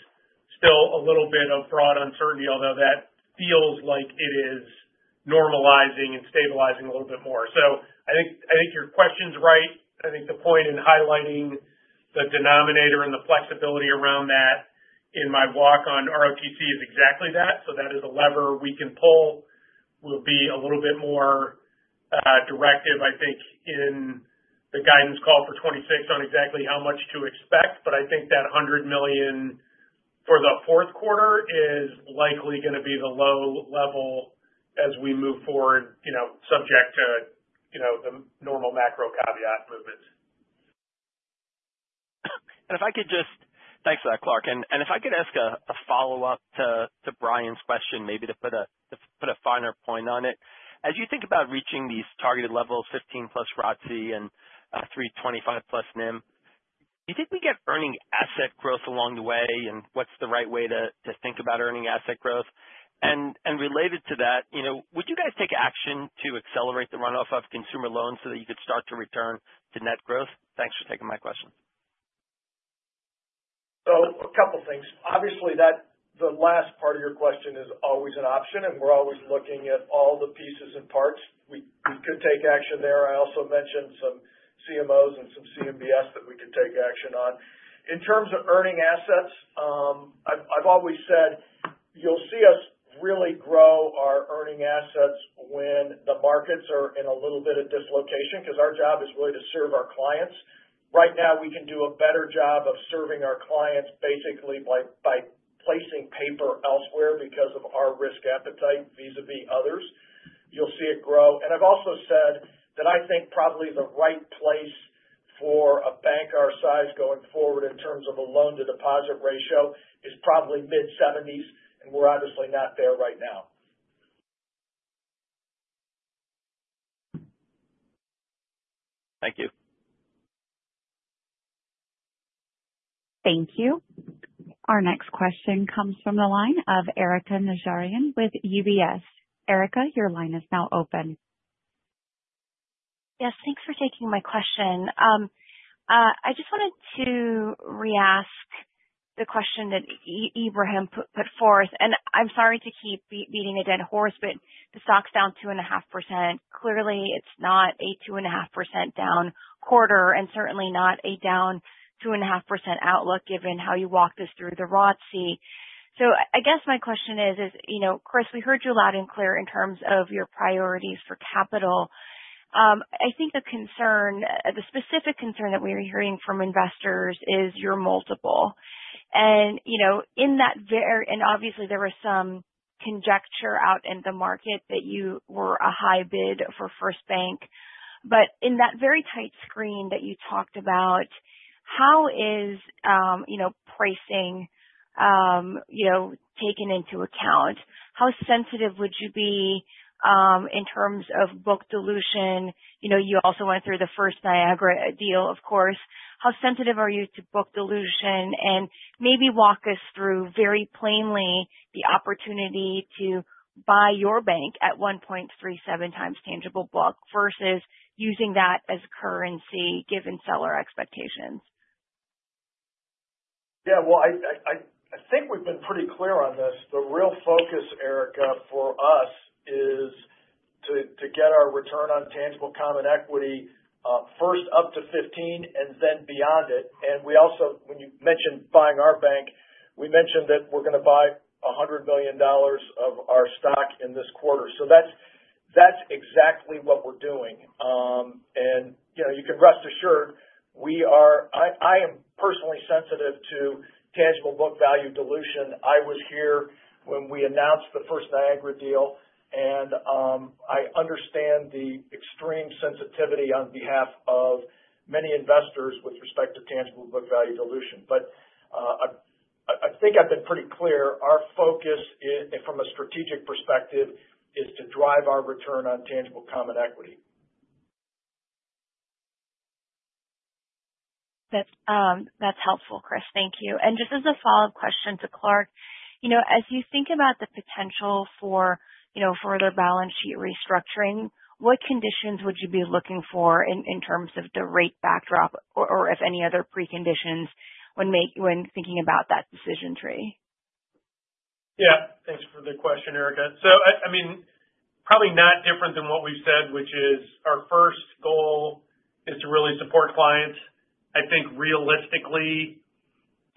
still a little bit of broad uncertainty, although that feels like it is normalizing and stabilizing a little bit more. So I think your question's right. I think the point in highlighting the denominator and the flexibility around that in my walk on ROTCE is exactly that. So that is a lever we can pull. We'll be a little bit more directive, I think, in the guidance call for 2026 on exactly how much to expect. But I think that $100 million for the Q4 is likely going to be the low level as we move forward, subject to the normal macro caveat movements. And if I could just thank for that, Clark. And if I could ask a follow-up to Brian's question, maybe to put a finer point on it. As you think about reaching these targeted levels, 15-plus ROTCE and 325-plus NIM, do you think we get earning asset growth along the way, and what's the right way to think about earning asset growth? And related to that, would you guys take action to accelerate the runoff of consumer loans so that you could start to return to net growth? Thanks for taking my question. So a couple of things. Obviously, the last part of your question is always an option, and we're always looking at all the pieces and parts. We could take action there. I also mentioned some CMOs and some CMBS that we could take action on. In terms of earning assets, I've always said you'll see us really grow our earning assets when the markets are in a little bit of dislocation because our job is really to serve our clients. Right now, we can do a better job of serving our clients basically by placing paper elsewhere because of our risk appetite vis-à-vis others. You'll see it grow. And I've also said that I think probably the right place for a bank our size going forward in terms of a loan-to-deposit ratio is probably mid-70s, and we're obviously not there right now. Thank you. Thank you. Our next question comes from the line of Erika Najarian with UBS. Erica, your line is now open. Yes. Thanks for taking my question. I just wanted to re-ask the question that Ibrahim put forth. And I'm sorry to keep beating a dead horse, but the stock's down 2.5%. Clearly, it's not a 2.5% down quarter and certainly not a down 2.5% outlook given how you walked us through the ROTCE. So I guess my question is, Chris, we heard you loud and clear in terms of your priorities for capital. I think the concern, the specific concern that we were hearing from investors is your multiple. And obviously, there was some conjecture out in the market that you were a high bid for First Bank. But in that very tight screen that you talked about, how is pricing taken into account? How sensitive would you be in terms of book dilution? You also went through the First Niagara deal, of course. How sensitive are you to book dilution? And maybe walk us through very plainly the opportunity to buy your bank at 1.37 times tangible book versus using that as currency given seller expectations. Yeah. Well, I think we've been pretty clear on this. The real focus, Erika, for us is to get our Return on tangible common equity first up to 15 and then beyond it. And when you mentioned buying our bank, we mentioned that we're going to buy $100 million of our stock in this quarter. So that's exactly what we're doing. And you can rest assured, I am personally sensitive to Tangible book value dilution. I was here when we announced the First Niagara deal, and I understand the extreme sensitivity on behalf of many investors with respect to Tangible book value dilution. But I think I've been pretty clear. Our focus, from a strategic perspective, is to drive our Return on tangible common equity. That's helpful, Chris. Thank you. And just as a follow-up question to Clark, as you think about the potential for further balance sheet restructuring, what conditions would you be looking for in terms of the rate backdrop or if any other preconditions when thinking about that decision tree? Yeah. Thanks for the question, Erika. So I mean, probably not different than what we've said, which is our first goal is to really support clients. I think realistically,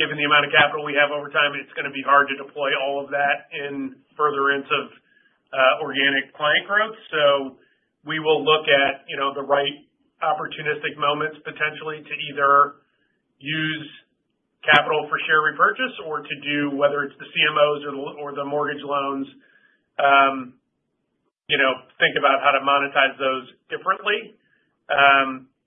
given the amount of capital we have over time, it's going to be hard to deploy all of that in furtherance of organic client growth. So we will look at the right opportunistic moments potentially to either use capital for share repurchase or to do, whether it's the CMOs or the mortgage loans, think about how to monetize those differently.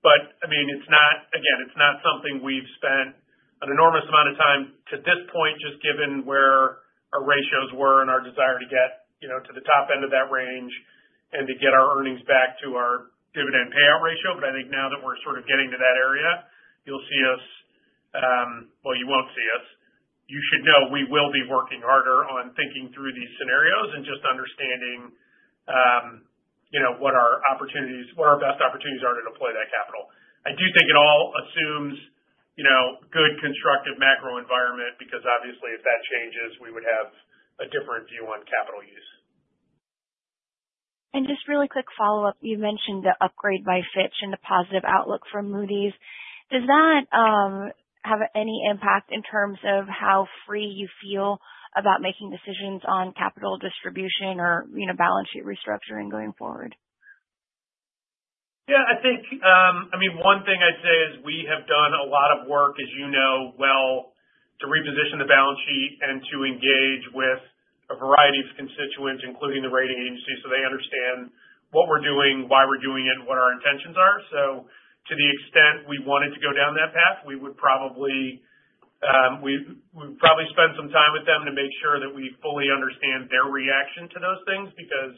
But I mean, again, it's not something we've spent an enormous amount of time to this point, just given where our ratios were and our desire to get to the top end of that range and to get our earnings back to our dividend payout ratio. But I think now that we're sort of getting to that area, you'll see us well, you won't see us. You should know we will be working harder on thinking through these scenarios and just understanding what our best opportunities are to deploy that capital. I do think it all assumes good constructive macro environment because obviously, if that changes, we would have a different view on capital use. Just really quick follow-up. You mentioned the upgrade by Fitch and the positive outlook for Moody's. Does that have any impact in terms of how free you feel about making decisions on capital distribution or balance sheet restructuring going forward? Yeah. I mean, one thing I'd say is we have done a lot of work, as you know well, to reposition the balance sheet and to engage with a variety of constituents, including the rating agency, so they understand what we're doing, why we're doing it, and what our intentions are. So to the extent we wanted to go down that path, we would probably spend some time with them to make sure that we fully understand their reaction to those things because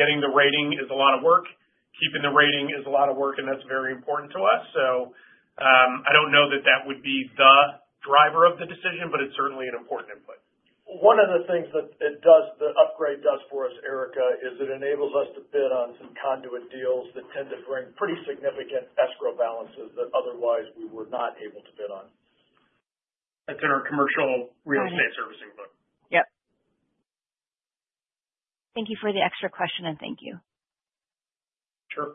getting the rating is a lot of work. Keeping the rating is a lot of work, and that's very important to us. So I don't know that that would be the driver of the decision, but it's certainly an important input. One of the things that the upgrade does for us, Erika, is it enables us to bid on some conduit deals that tend to bring pretty significant escrow balances that otherwise we were not able to bid on. That's in our commercial real estate servicing book. Yep. Thank you for the extra question, and thank you. Sure.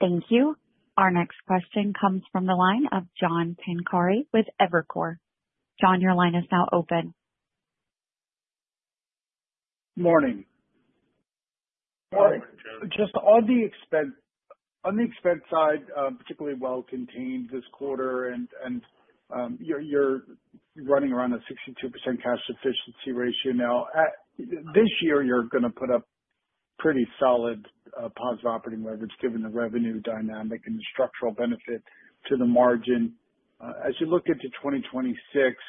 Thank you. Our next question comes from the line of John Pancari with Evercore. John, your line is now open. Morning. Morning. Morning, John. Just on the expense side, particularly well-contained this quarter, and you're running around a 62% cash efficiency ratio now. This year, you're going to put up pretty solid positive operating leverage given the revenue dynamic and the structural benefit to the margin. As you look into 2026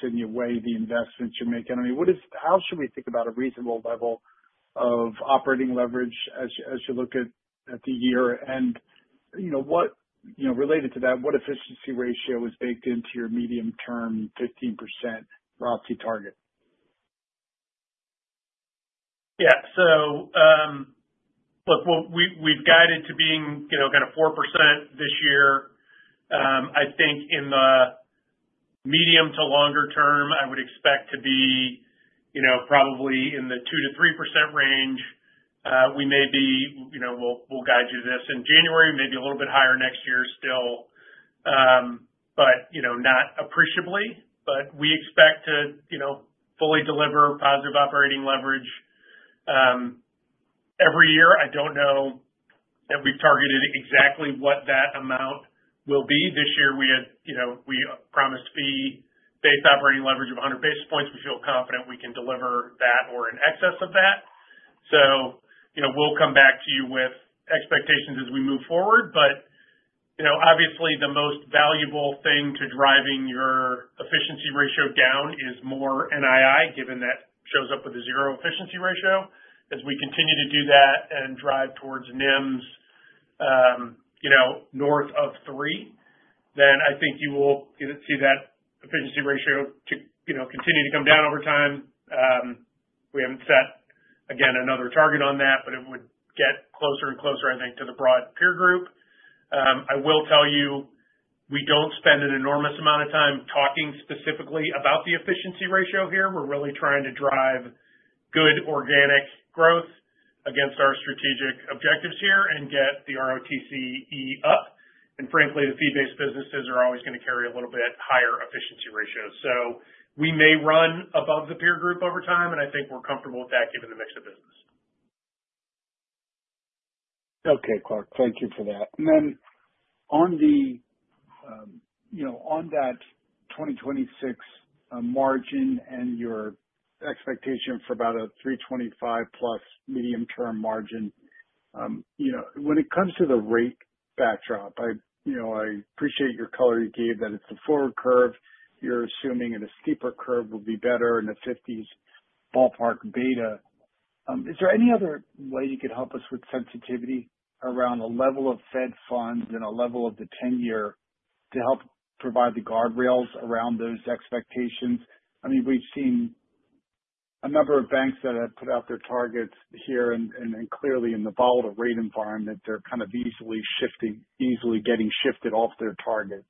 and the way the investments you're making, I mean, how should we think about a reasonable level of operating leverage as you look at the year? And related to that, what efficiency ratio is baked into your medium-term 15% ROTCE target? Yeah. So look, we've guided to being kind of 4% this year. I think in the medium to longer term, I would expect to be probably in the 2%-3% range. We may. We'll guide you to this in January, maybe a little bit higher next year still, but not appreciably. But we expect to fully deliver positive operating leverage every year. I don't know that we've targeted exactly what that amount will be. This year, we promised fee-based operating leverage of basis points. we feel confident we can deliver that or in excess of that. So we'll come back to you with expectations as we move forward. But obviously, the most valuable thing to driving your efficiency ratio down is more NII, given that shows up with a zero efficiency ratio. As we continue to do that and drive towards NIMs north of 3, then I think you will see that efficiency ratio continue to come down over time. We haven't set, again, another target on that, but it would get closer and closer, I think, to the broad peer group. I will tell you, we don't spend an enormous amount of time talking specifically about the fficiency ratio here. We're really trying to drive good organic growth against our strategic objectives here and get the ROTCE up, and frankly, the fee-based businesses are always going to carry a little bit higher efficiency ratios, so we may run above the peer group over time, and I think we're comfortable with that given the mix of business. Okay, Clark. Thank you for that. And then on that 2026 margin and your expectation for about a 325-plus medium-term margin, when it comes to the rate backdrop, I appreciate your color you gave that it's the forward curve. You're assuming a steeper curve would be better in the 50s ballpark beta. Is there any other way you could help us with sensitivity around the level of Fed funds and a level of the 10-year to help provide the guardrails around those expectations? I mean, we've seen a number of banks that have put out their targets here, and clearly, in the volatile rate environment, they're kind of easily getting shifted off their targets.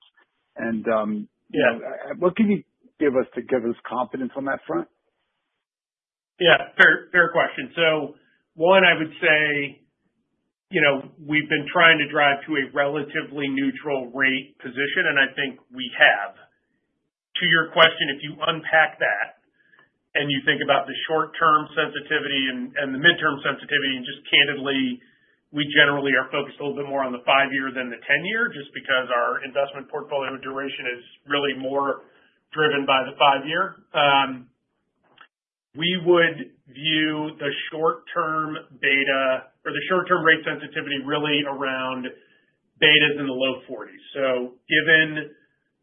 And what can you give us to give us confidence on that front? Yeah. Fair question. So one, I would say we've been trying to drive to a relatively neutral rate position, and I think we have. To your question, if you unpack that and you think about the short-term sensitivity and the mid-term sensitivity, and just candidly, we generally are focused a little bit more on the 5-year than the 10-year just because our investment portfolio duration is really more driven by the 5-year. We would view the short-term beta or the short-term rate sensitivity really around beta in the low 40s. So given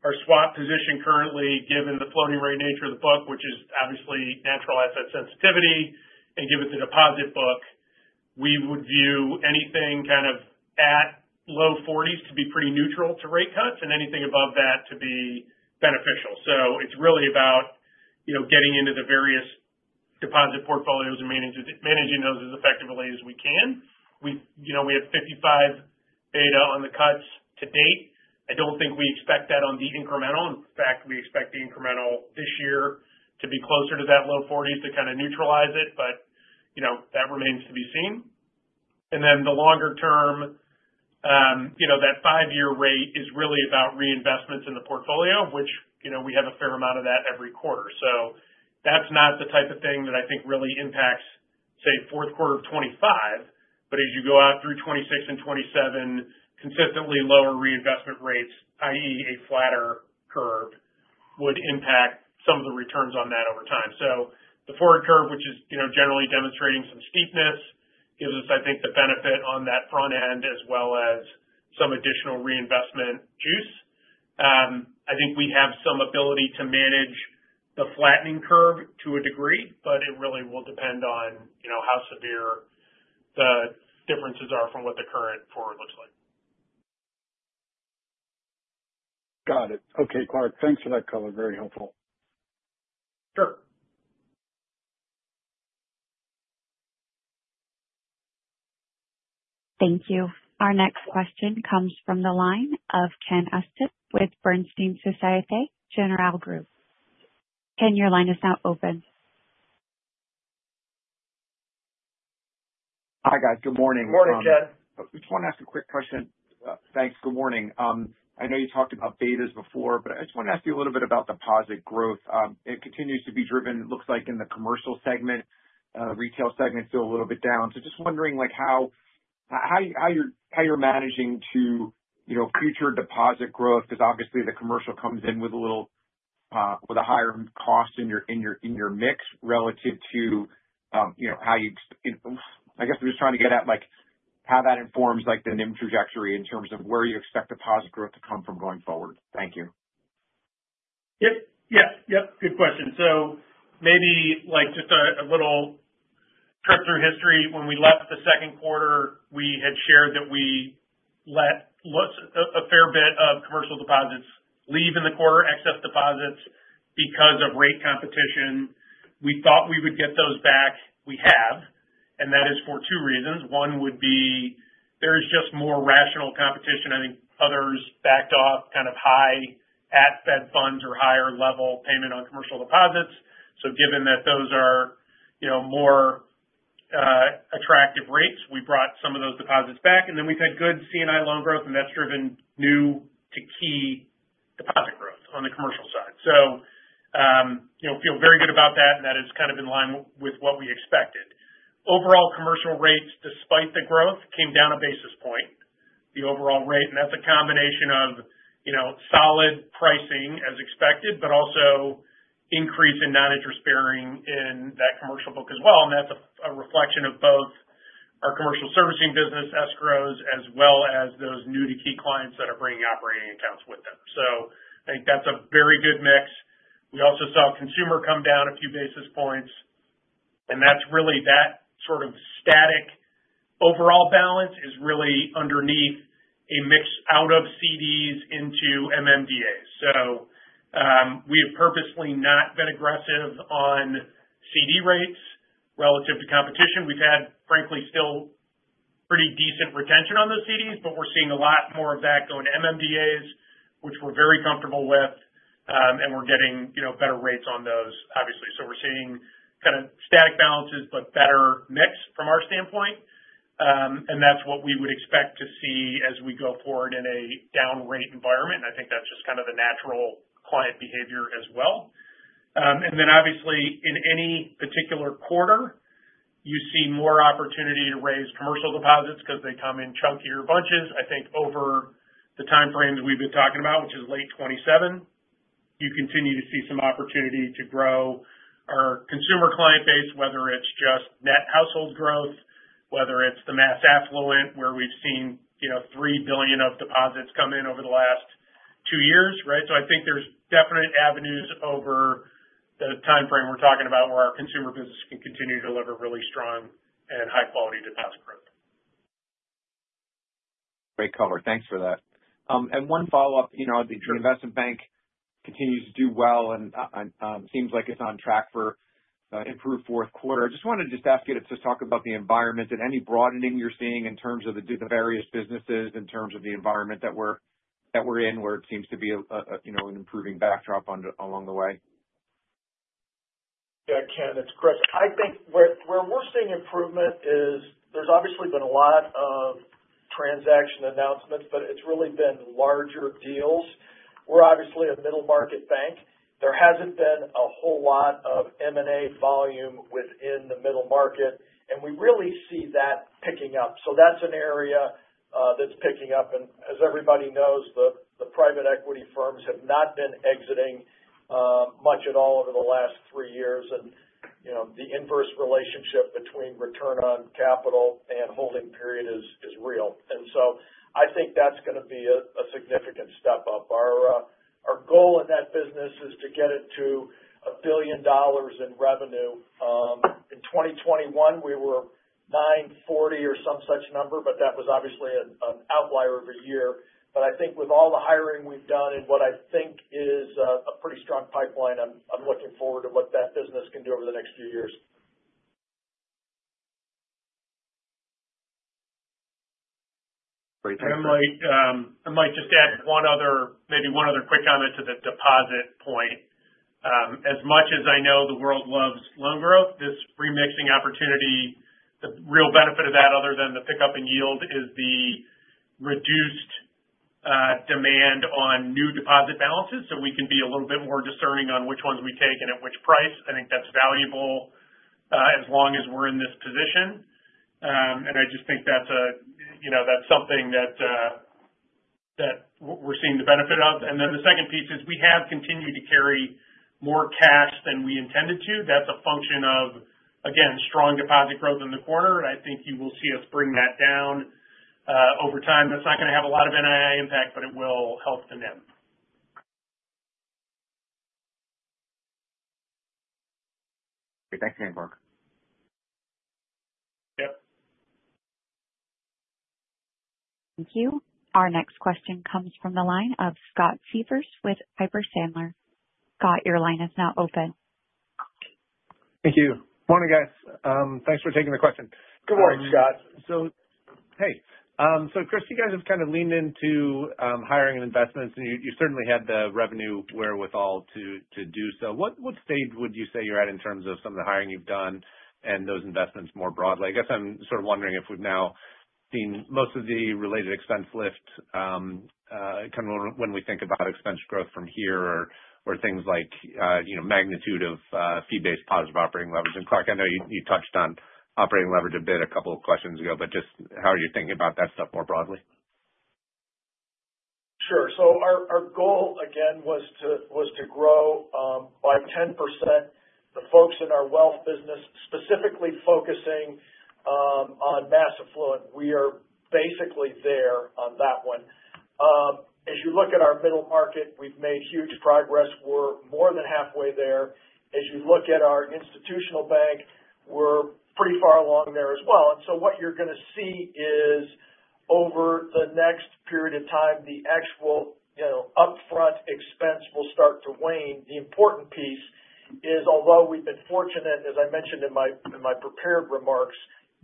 our swap position currently, given the floating rate nature of the book, which is obviously natural asset sensitivity, and given the deposit book, we would view anything kind of at low 40s to be pretty neutral to rate cuts and anything above that to be beneficial. So it's really about getting into the various deposit portfolios and managing those as effectively as we can. We have 55 beta on the cuts to date. I don't think we expect that on the incremental. In fact, we expect the incremental this year to be closer to that low 40s to kind of neutralize it, but that remains to be seen. And then the longer term, that 5-year rate is really about reinvestments in the portfolio, which we have a fair amount of that every quarter. So that's not the type of thing that I think really impacts, say, Q4 of 2025, but as you go out through 2026 and 2027, consistently lower reinvestment rates, i.e., a flatter curve would impact some of the returns on that over time. So the forward curve, which is generally demonstrating some steepness, gives us, I think, the benefit on that front end as well as some additional reinvestment juice. I think we have some ability to manage the flattening curve to a degree, but it really will depend on how severe the differences are from what the current forward looks like. Got it. Okay, Clark. Thanks for that color. Very helpful. Sure. Thank you. Our next question comes from the line of Ken Gavrity with Bernstein Société Générale Group. Ken, your line is now open. Hi, guys. Good morning. Good morning, Ken. I just wanted to ask a quick question. Thanks. Good morning. I know you talked about beta before, but I just wanted to ask you a little bit about deposit growth. It continues to be driven, it looks like, in the commercial segment. The retail segment's still a little bit down. So just wondering how you're managing to future deposit growth because obviously, the commercial comes in with a higher cost in your mix relative to how you, I guess, I'm just trying to get at how that informs the NIM trajectory in terms of where you expect deposit growth to come from going forward. Thank you. Yep. Yeah. Yep. Good question, so maybe just a little trip through history. When we left the Q2, we had shared that we let a fair bit of commercial deposits leave in the quarter, excess deposits, because of rate competition. We thought we would get those back. We have, and that is for two reasons. One would be there is just more rational competition. I think others backed off kind of high at Fed funds or higher level payment on commercial deposits, so given that those are more attractive rates, we brought some of those deposits back, and then we've had good C&I loan growth, and that's driven new-to-Key deposit growth on the commercial side, so feel very good about that, and that is kind of in line with what we expected. Overall, commercial rates, despite the growth, came down a basis point, the overall rate. And that's a combination of solid pricing as expected, but also increase in non-interest-bearing in that commercial book as well. And that's a reflection of both our commercial servicing business escrows as well as those new-to-Key clients that are bringing operating accounts with them. So I think that's a very good mix. We also saw consumer come down a basis points. and that's really that sort of static overall balance is really underneath a mix out of CDs into MMDAs. So we have purposely not been aggressive on CD rates relative to competition. We've had, frankly, still pretty decent retention on those CDs, but we're seeing a lot more of that going to MMDAs, which we're very comfortable with, and we're getting better rates on those, obviously. So we're seeing kind of static balances, but better mix from our standpoint. And that's what we would expect to see as we go forward in a down rate environment. And I think that's just kind of the natural client behavior as well. And then, obviously, in any particular quarter, you see more opportunity to raise commercial deposits because they come in chunkier bunches. I think over the time frames we've been talking about, which is late 2027, you continue to see some opportunity to grow our consumer client base, whether it's just net household growth, whether it's the mass affluent, where we've seen $3 billion of deposits come in over the last two years, right? So I think there's definite avenues over the time frame we're talking about where our consumer business can continue to deliver really strong and high-quality deposit growth. Great color. Thanks for that. One follow-up. The investment bank continues to do well, and it seems like it's on track for improved Q4. I just wanted to ask you to talk about the environment and any broadening you're seeing in terms of the various businesses, in terms of the environment that we're in, where it seems to be an improving backdrop along the way. Yeah, Ken, that's correct. I think where we're seeing improvement is there's obviously been a lot of transaction announcements, but it's really been larger deals. We're obviously a middle market bank. There hasn't been a whole lot of M&A volume within the middle market, and we really see that picking up. So that's an area that's picking up, and as everybody knows, the private equity firms have not been exiting much at all over the last three years, and the inverse relationship between return on capital and holding period is real, and so I think that's going to be a significant step up. Our goal in that business is to get it to $1 billion in revenue. In 2021, we were 940 or some such number, but that was obviously an outlier of a year. I think with all the hiring we've done and what I think is a pretty strong pipeline, I'm looking forward to what that business can do over the next few years. Great. Thanks. And I might just add maybe one other quick comment to the deposit point. As much as I know the world loves loan growth, this remixing opportunity, the real benefit of that, other than the pickup in yield, is the reduced demand on new deposit balances. So we can be a little bit more discerning on which ones we take and at which price. I think that's valuable as long as we're in this position. And I just think that's something that we're seeing the benefit of. And then the second piece is we have continued to carry more cash than we intended to. That's a function of, again, strong deposit growth in the quarter. And I think you will see us bring that down over time. That's not going to have a lot of NII impact, but it will help the NIM. Okay. Thanks, Dan Clark. Yep. Thank you. Our next question comes from the line of Scott Siefers with Piper Sandler. Scott, your line is now open. Thank you. Morning, guys. Thanks for taking the question. Good morning, Scott. Hey. So Chris, you guys have kind of leaned into hiring and investments, and you certainly had the revenue wherewithal to do so. What stage would you say you're at in terms of some of the hiring you've done and those investments more broadly? I guess I'm sort of wondering if we've now seen most of the related expense lift kind of when we think about expense growth from here or things like magnitude of fee-based positive operating leverage. And Clark, I know you touched on operating leverage a bit a couple of questions ago, but just how are you thinking about that stuff more broadly? Sure. So our goal, again, was to grow by 10%. The folks in our wealth business, specifically focusing on mass affluent, we are basically there on that one. As you look at our middle market, we've made huge progress. We're more than halfway there. As you look at our institutional bank, we're pretty far along there as well. And so what you're going to see is over the next period of time, the actual upfront expense will start to wane. The important piece is, although we've been fortunate, as I mentioned in my prepared remarks,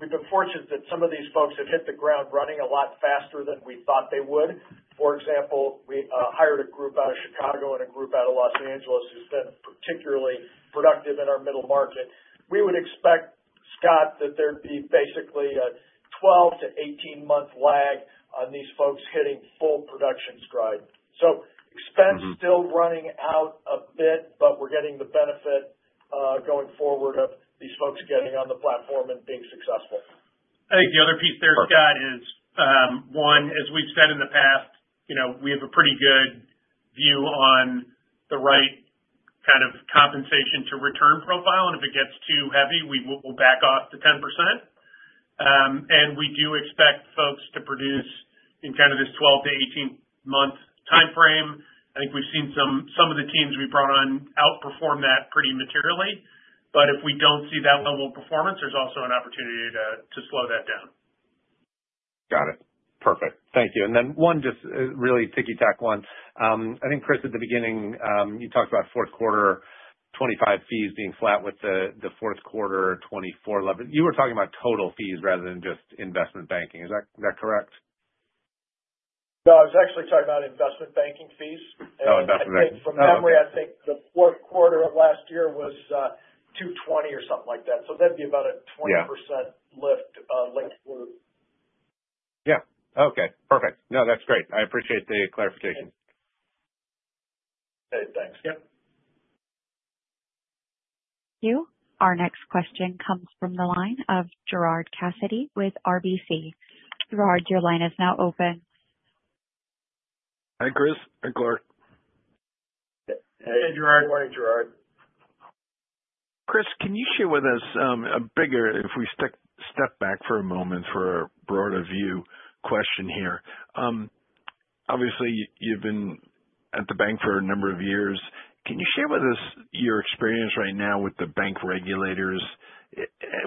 we've been fortunate that some of these folks have hit the ground running a lot faster than we thought they would. For example, we hired a group out of Chicago and a group out of Los Angeles who's been particularly productive in our middle market. We would expect, Scott, that there'd be basically a 12-18-month lag on these folks hitting full production stride. So expense still running out a bit, but we're getting the benefit going forward of these folks getting on the platform and being successful. I think the other piece there, Scott, is one, as we've said in the past, we have a pretty good view on the right kind of compensation to return profile. And if it gets too heavy, we will back off to 10%. And we do expect folks to produce in kind of this 12-18-month time frame. I think we've seen some of the teams we brought on outperform that pretty materially. But if we don't see that level of performance, there's also an opportunity to slow that down. Got it. Perfect. Thank you. And then one just really ticky-tack one. I think, Chris, at the beginning, you talked about Q4 2025 fees being flat with the Q4 2024 level. You were talking about total fees rather than just investment banking. Is that correct? No, I was actually talking about investment banking fees. Oh, investment banking. Okay. And from memory, I think the Q4 of last year was 220 or something like that. So that'd be about a 20% lift linked to. Yeah. Okay. Perfect. No, that's great. I appreciate the clarification. Okay. Thanks. Yep. Thank you. Our next question comes from the line of Gerard Cassidy with RBC. Gerard, your line is now open. Hi, Chris. Hi, Clark. Hey, Gerard. Morning, Gerard. Chris, can you share with us a bigger, if we step back for a moment for a broader view question here? Obviously, you've been at the bank for a number of years. Can you share with us your experience right now with the bank regulators?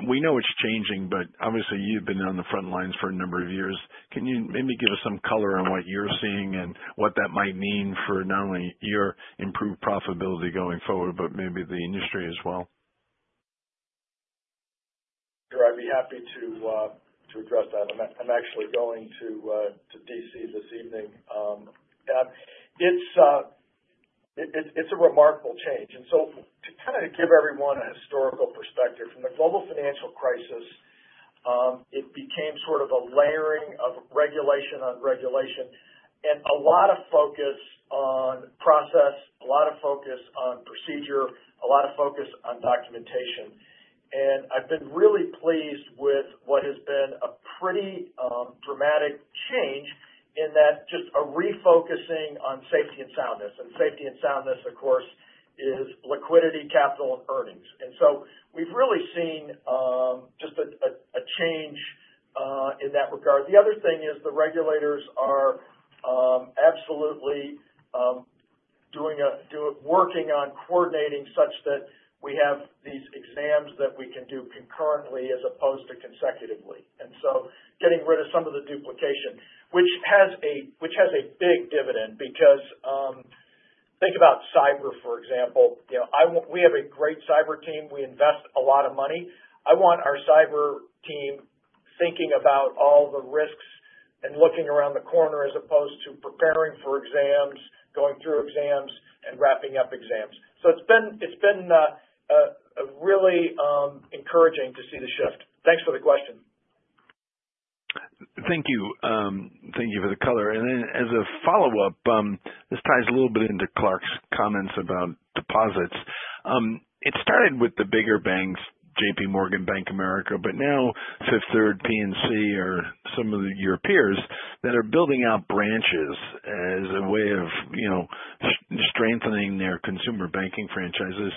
We know it's changing, but obviously, you've been on the front lines for a number of years. Can you maybe give us some color on what you're seeing and what that might mean for not only your improved profitability going forward, but maybe the industry as well? Gerard, I'd be happy to address that. I'm actually going to DC this evening. It's a remarkable change, and so to kind of give everyone a historical perspective, from the global financial crisis, it became sort of a layering of regulation on regulation and a lot of focus on process, a lot of focus on procedure, a lot of focus on documentation, and I've been really pleased with what has been a pretty dramatic change in that just a refocusing on safety and soundness, and safety and soundness, of course, is liquidity, capital, and earnings, and so we've really seen just a change in that regard. The other thing is the regulators are absolutely working on coordinating such that we have these exams that we can do concurrently as opposed to consecutively. And so getting rid of some of the duplication, which has a big dividend because think about cyber, for example. We have a great cyber team. We invest a lot of money. I want our cyber team thinking about all the risks and looking around the corner as opposed to preparing for exams, going through exams, and wrapping up exams. So it's been really encouraging to see the shift. Thanks for the question. Thank you. Thank you for the color. And then as a follow-up, this ties a little bit into Clark's comments about deposits. It started with the bigger banks, JPMorgan, Bank of America, but now Fifth Third, PNC, or some of your peers that are building out branches as a way of strengthening their consumer banking franchises.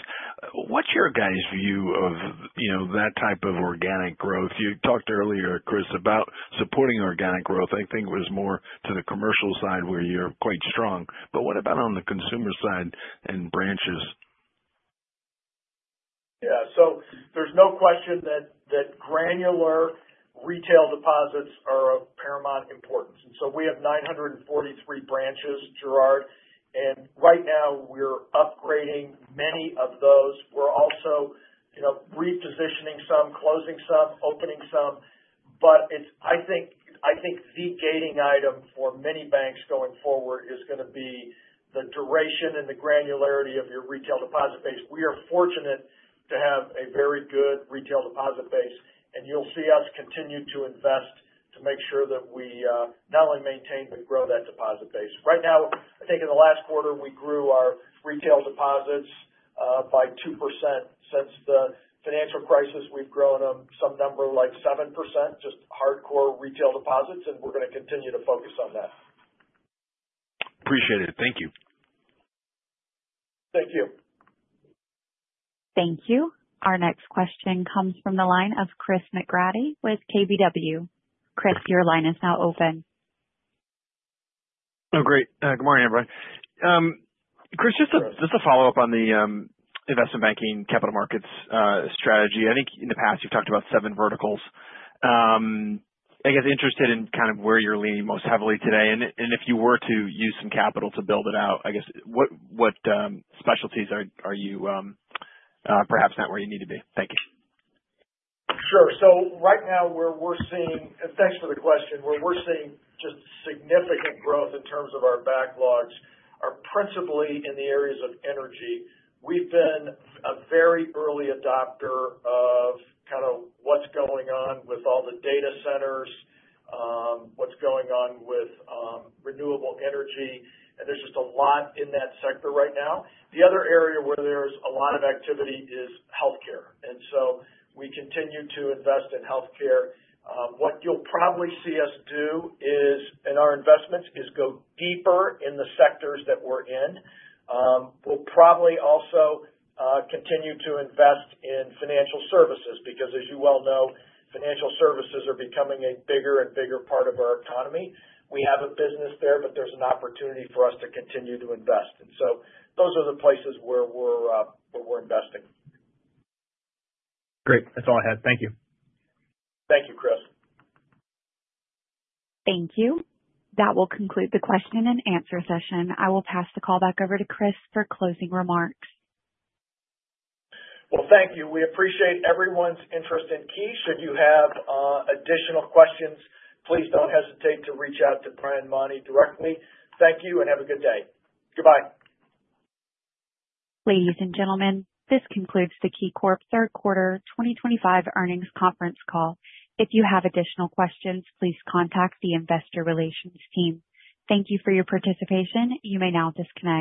What's your guy's view of that type of organic growth? You talked earlier, Chris, about supporting organic growth. I think it was more to the commercial side where you're quite strong. But what about on the consumer side and branches? Yeah. So there's no question that granular retail deposits are of paramount importance. And so we have 943 branches, Gerard. And right now, we're upgrading many of those. We're also repositioning some, closing some, opening some. But I think the gating item for many banks going forward is going to be the duration and the granularity of your retail deposit base. We are fortunate to have a very good retail deposit base. And you'll see us continue to invest to make sure that we not only maintain but grow that deposit base. Right now, I think in the last quarter, we grew our retail deposits by 2%. Since the financial crisis, we've grown them some number like 7%, just hardcore retail deposits. And we're going to continue to focus on that. Appreciate it. Thank you. Thank you. Thank you. Our next question comes from the line of Chris McGratty with KBW. Chris, your line is now open. Oh, great. Good morning, everyone. Chris, just a follow-up on the investment banking capital markets strategy. I think in the past, you've talked about seven verticals. I guess interested in kind of where you're leaning most heavily today. And if you were to use some capital to build it out, I guess what specialties are you perhaps not where you need to be? Thank you. Sure, so right now, we're seeing, thanks for the question, we're seeing just significant growth in terms of our backlogs, principally in the areas of energy. We've been a very early adopter of kind of what's going on with all the data centers, what's going on with renewable energy, and there's just a lot in that sector right now. The other area where there's a lot of activity is healthcare, and so we continue to invest in healthcare. What you'll probably see us do in our investments is go deeper in the sectors that we're in. We'll probably also continue to invest in financial services because, as you well know, financial services are becoming a bigger and bigger part of our economy. We have a business there, but there's an opportunity for us to continue to invest, and so those are the places where we're investing. Great. That's all I had. Thank you. Thank you, Chris. Thank you. That will conclude the question and answer session. I will pass the call back over to Chris for closing remarks. Thank you. We appreciate everyone's interest in Key. Should you have additional questions, please don't hesitate to reach out to Brian Mauney directly. Thank you and have a good day. Goodbye. Ladies and gentlemen, this concludes the KeyCorp Q3 2025 earnings conference call. If you have additional questions, please contact the investor relations team. Thank you for your participation. You may now disconnect.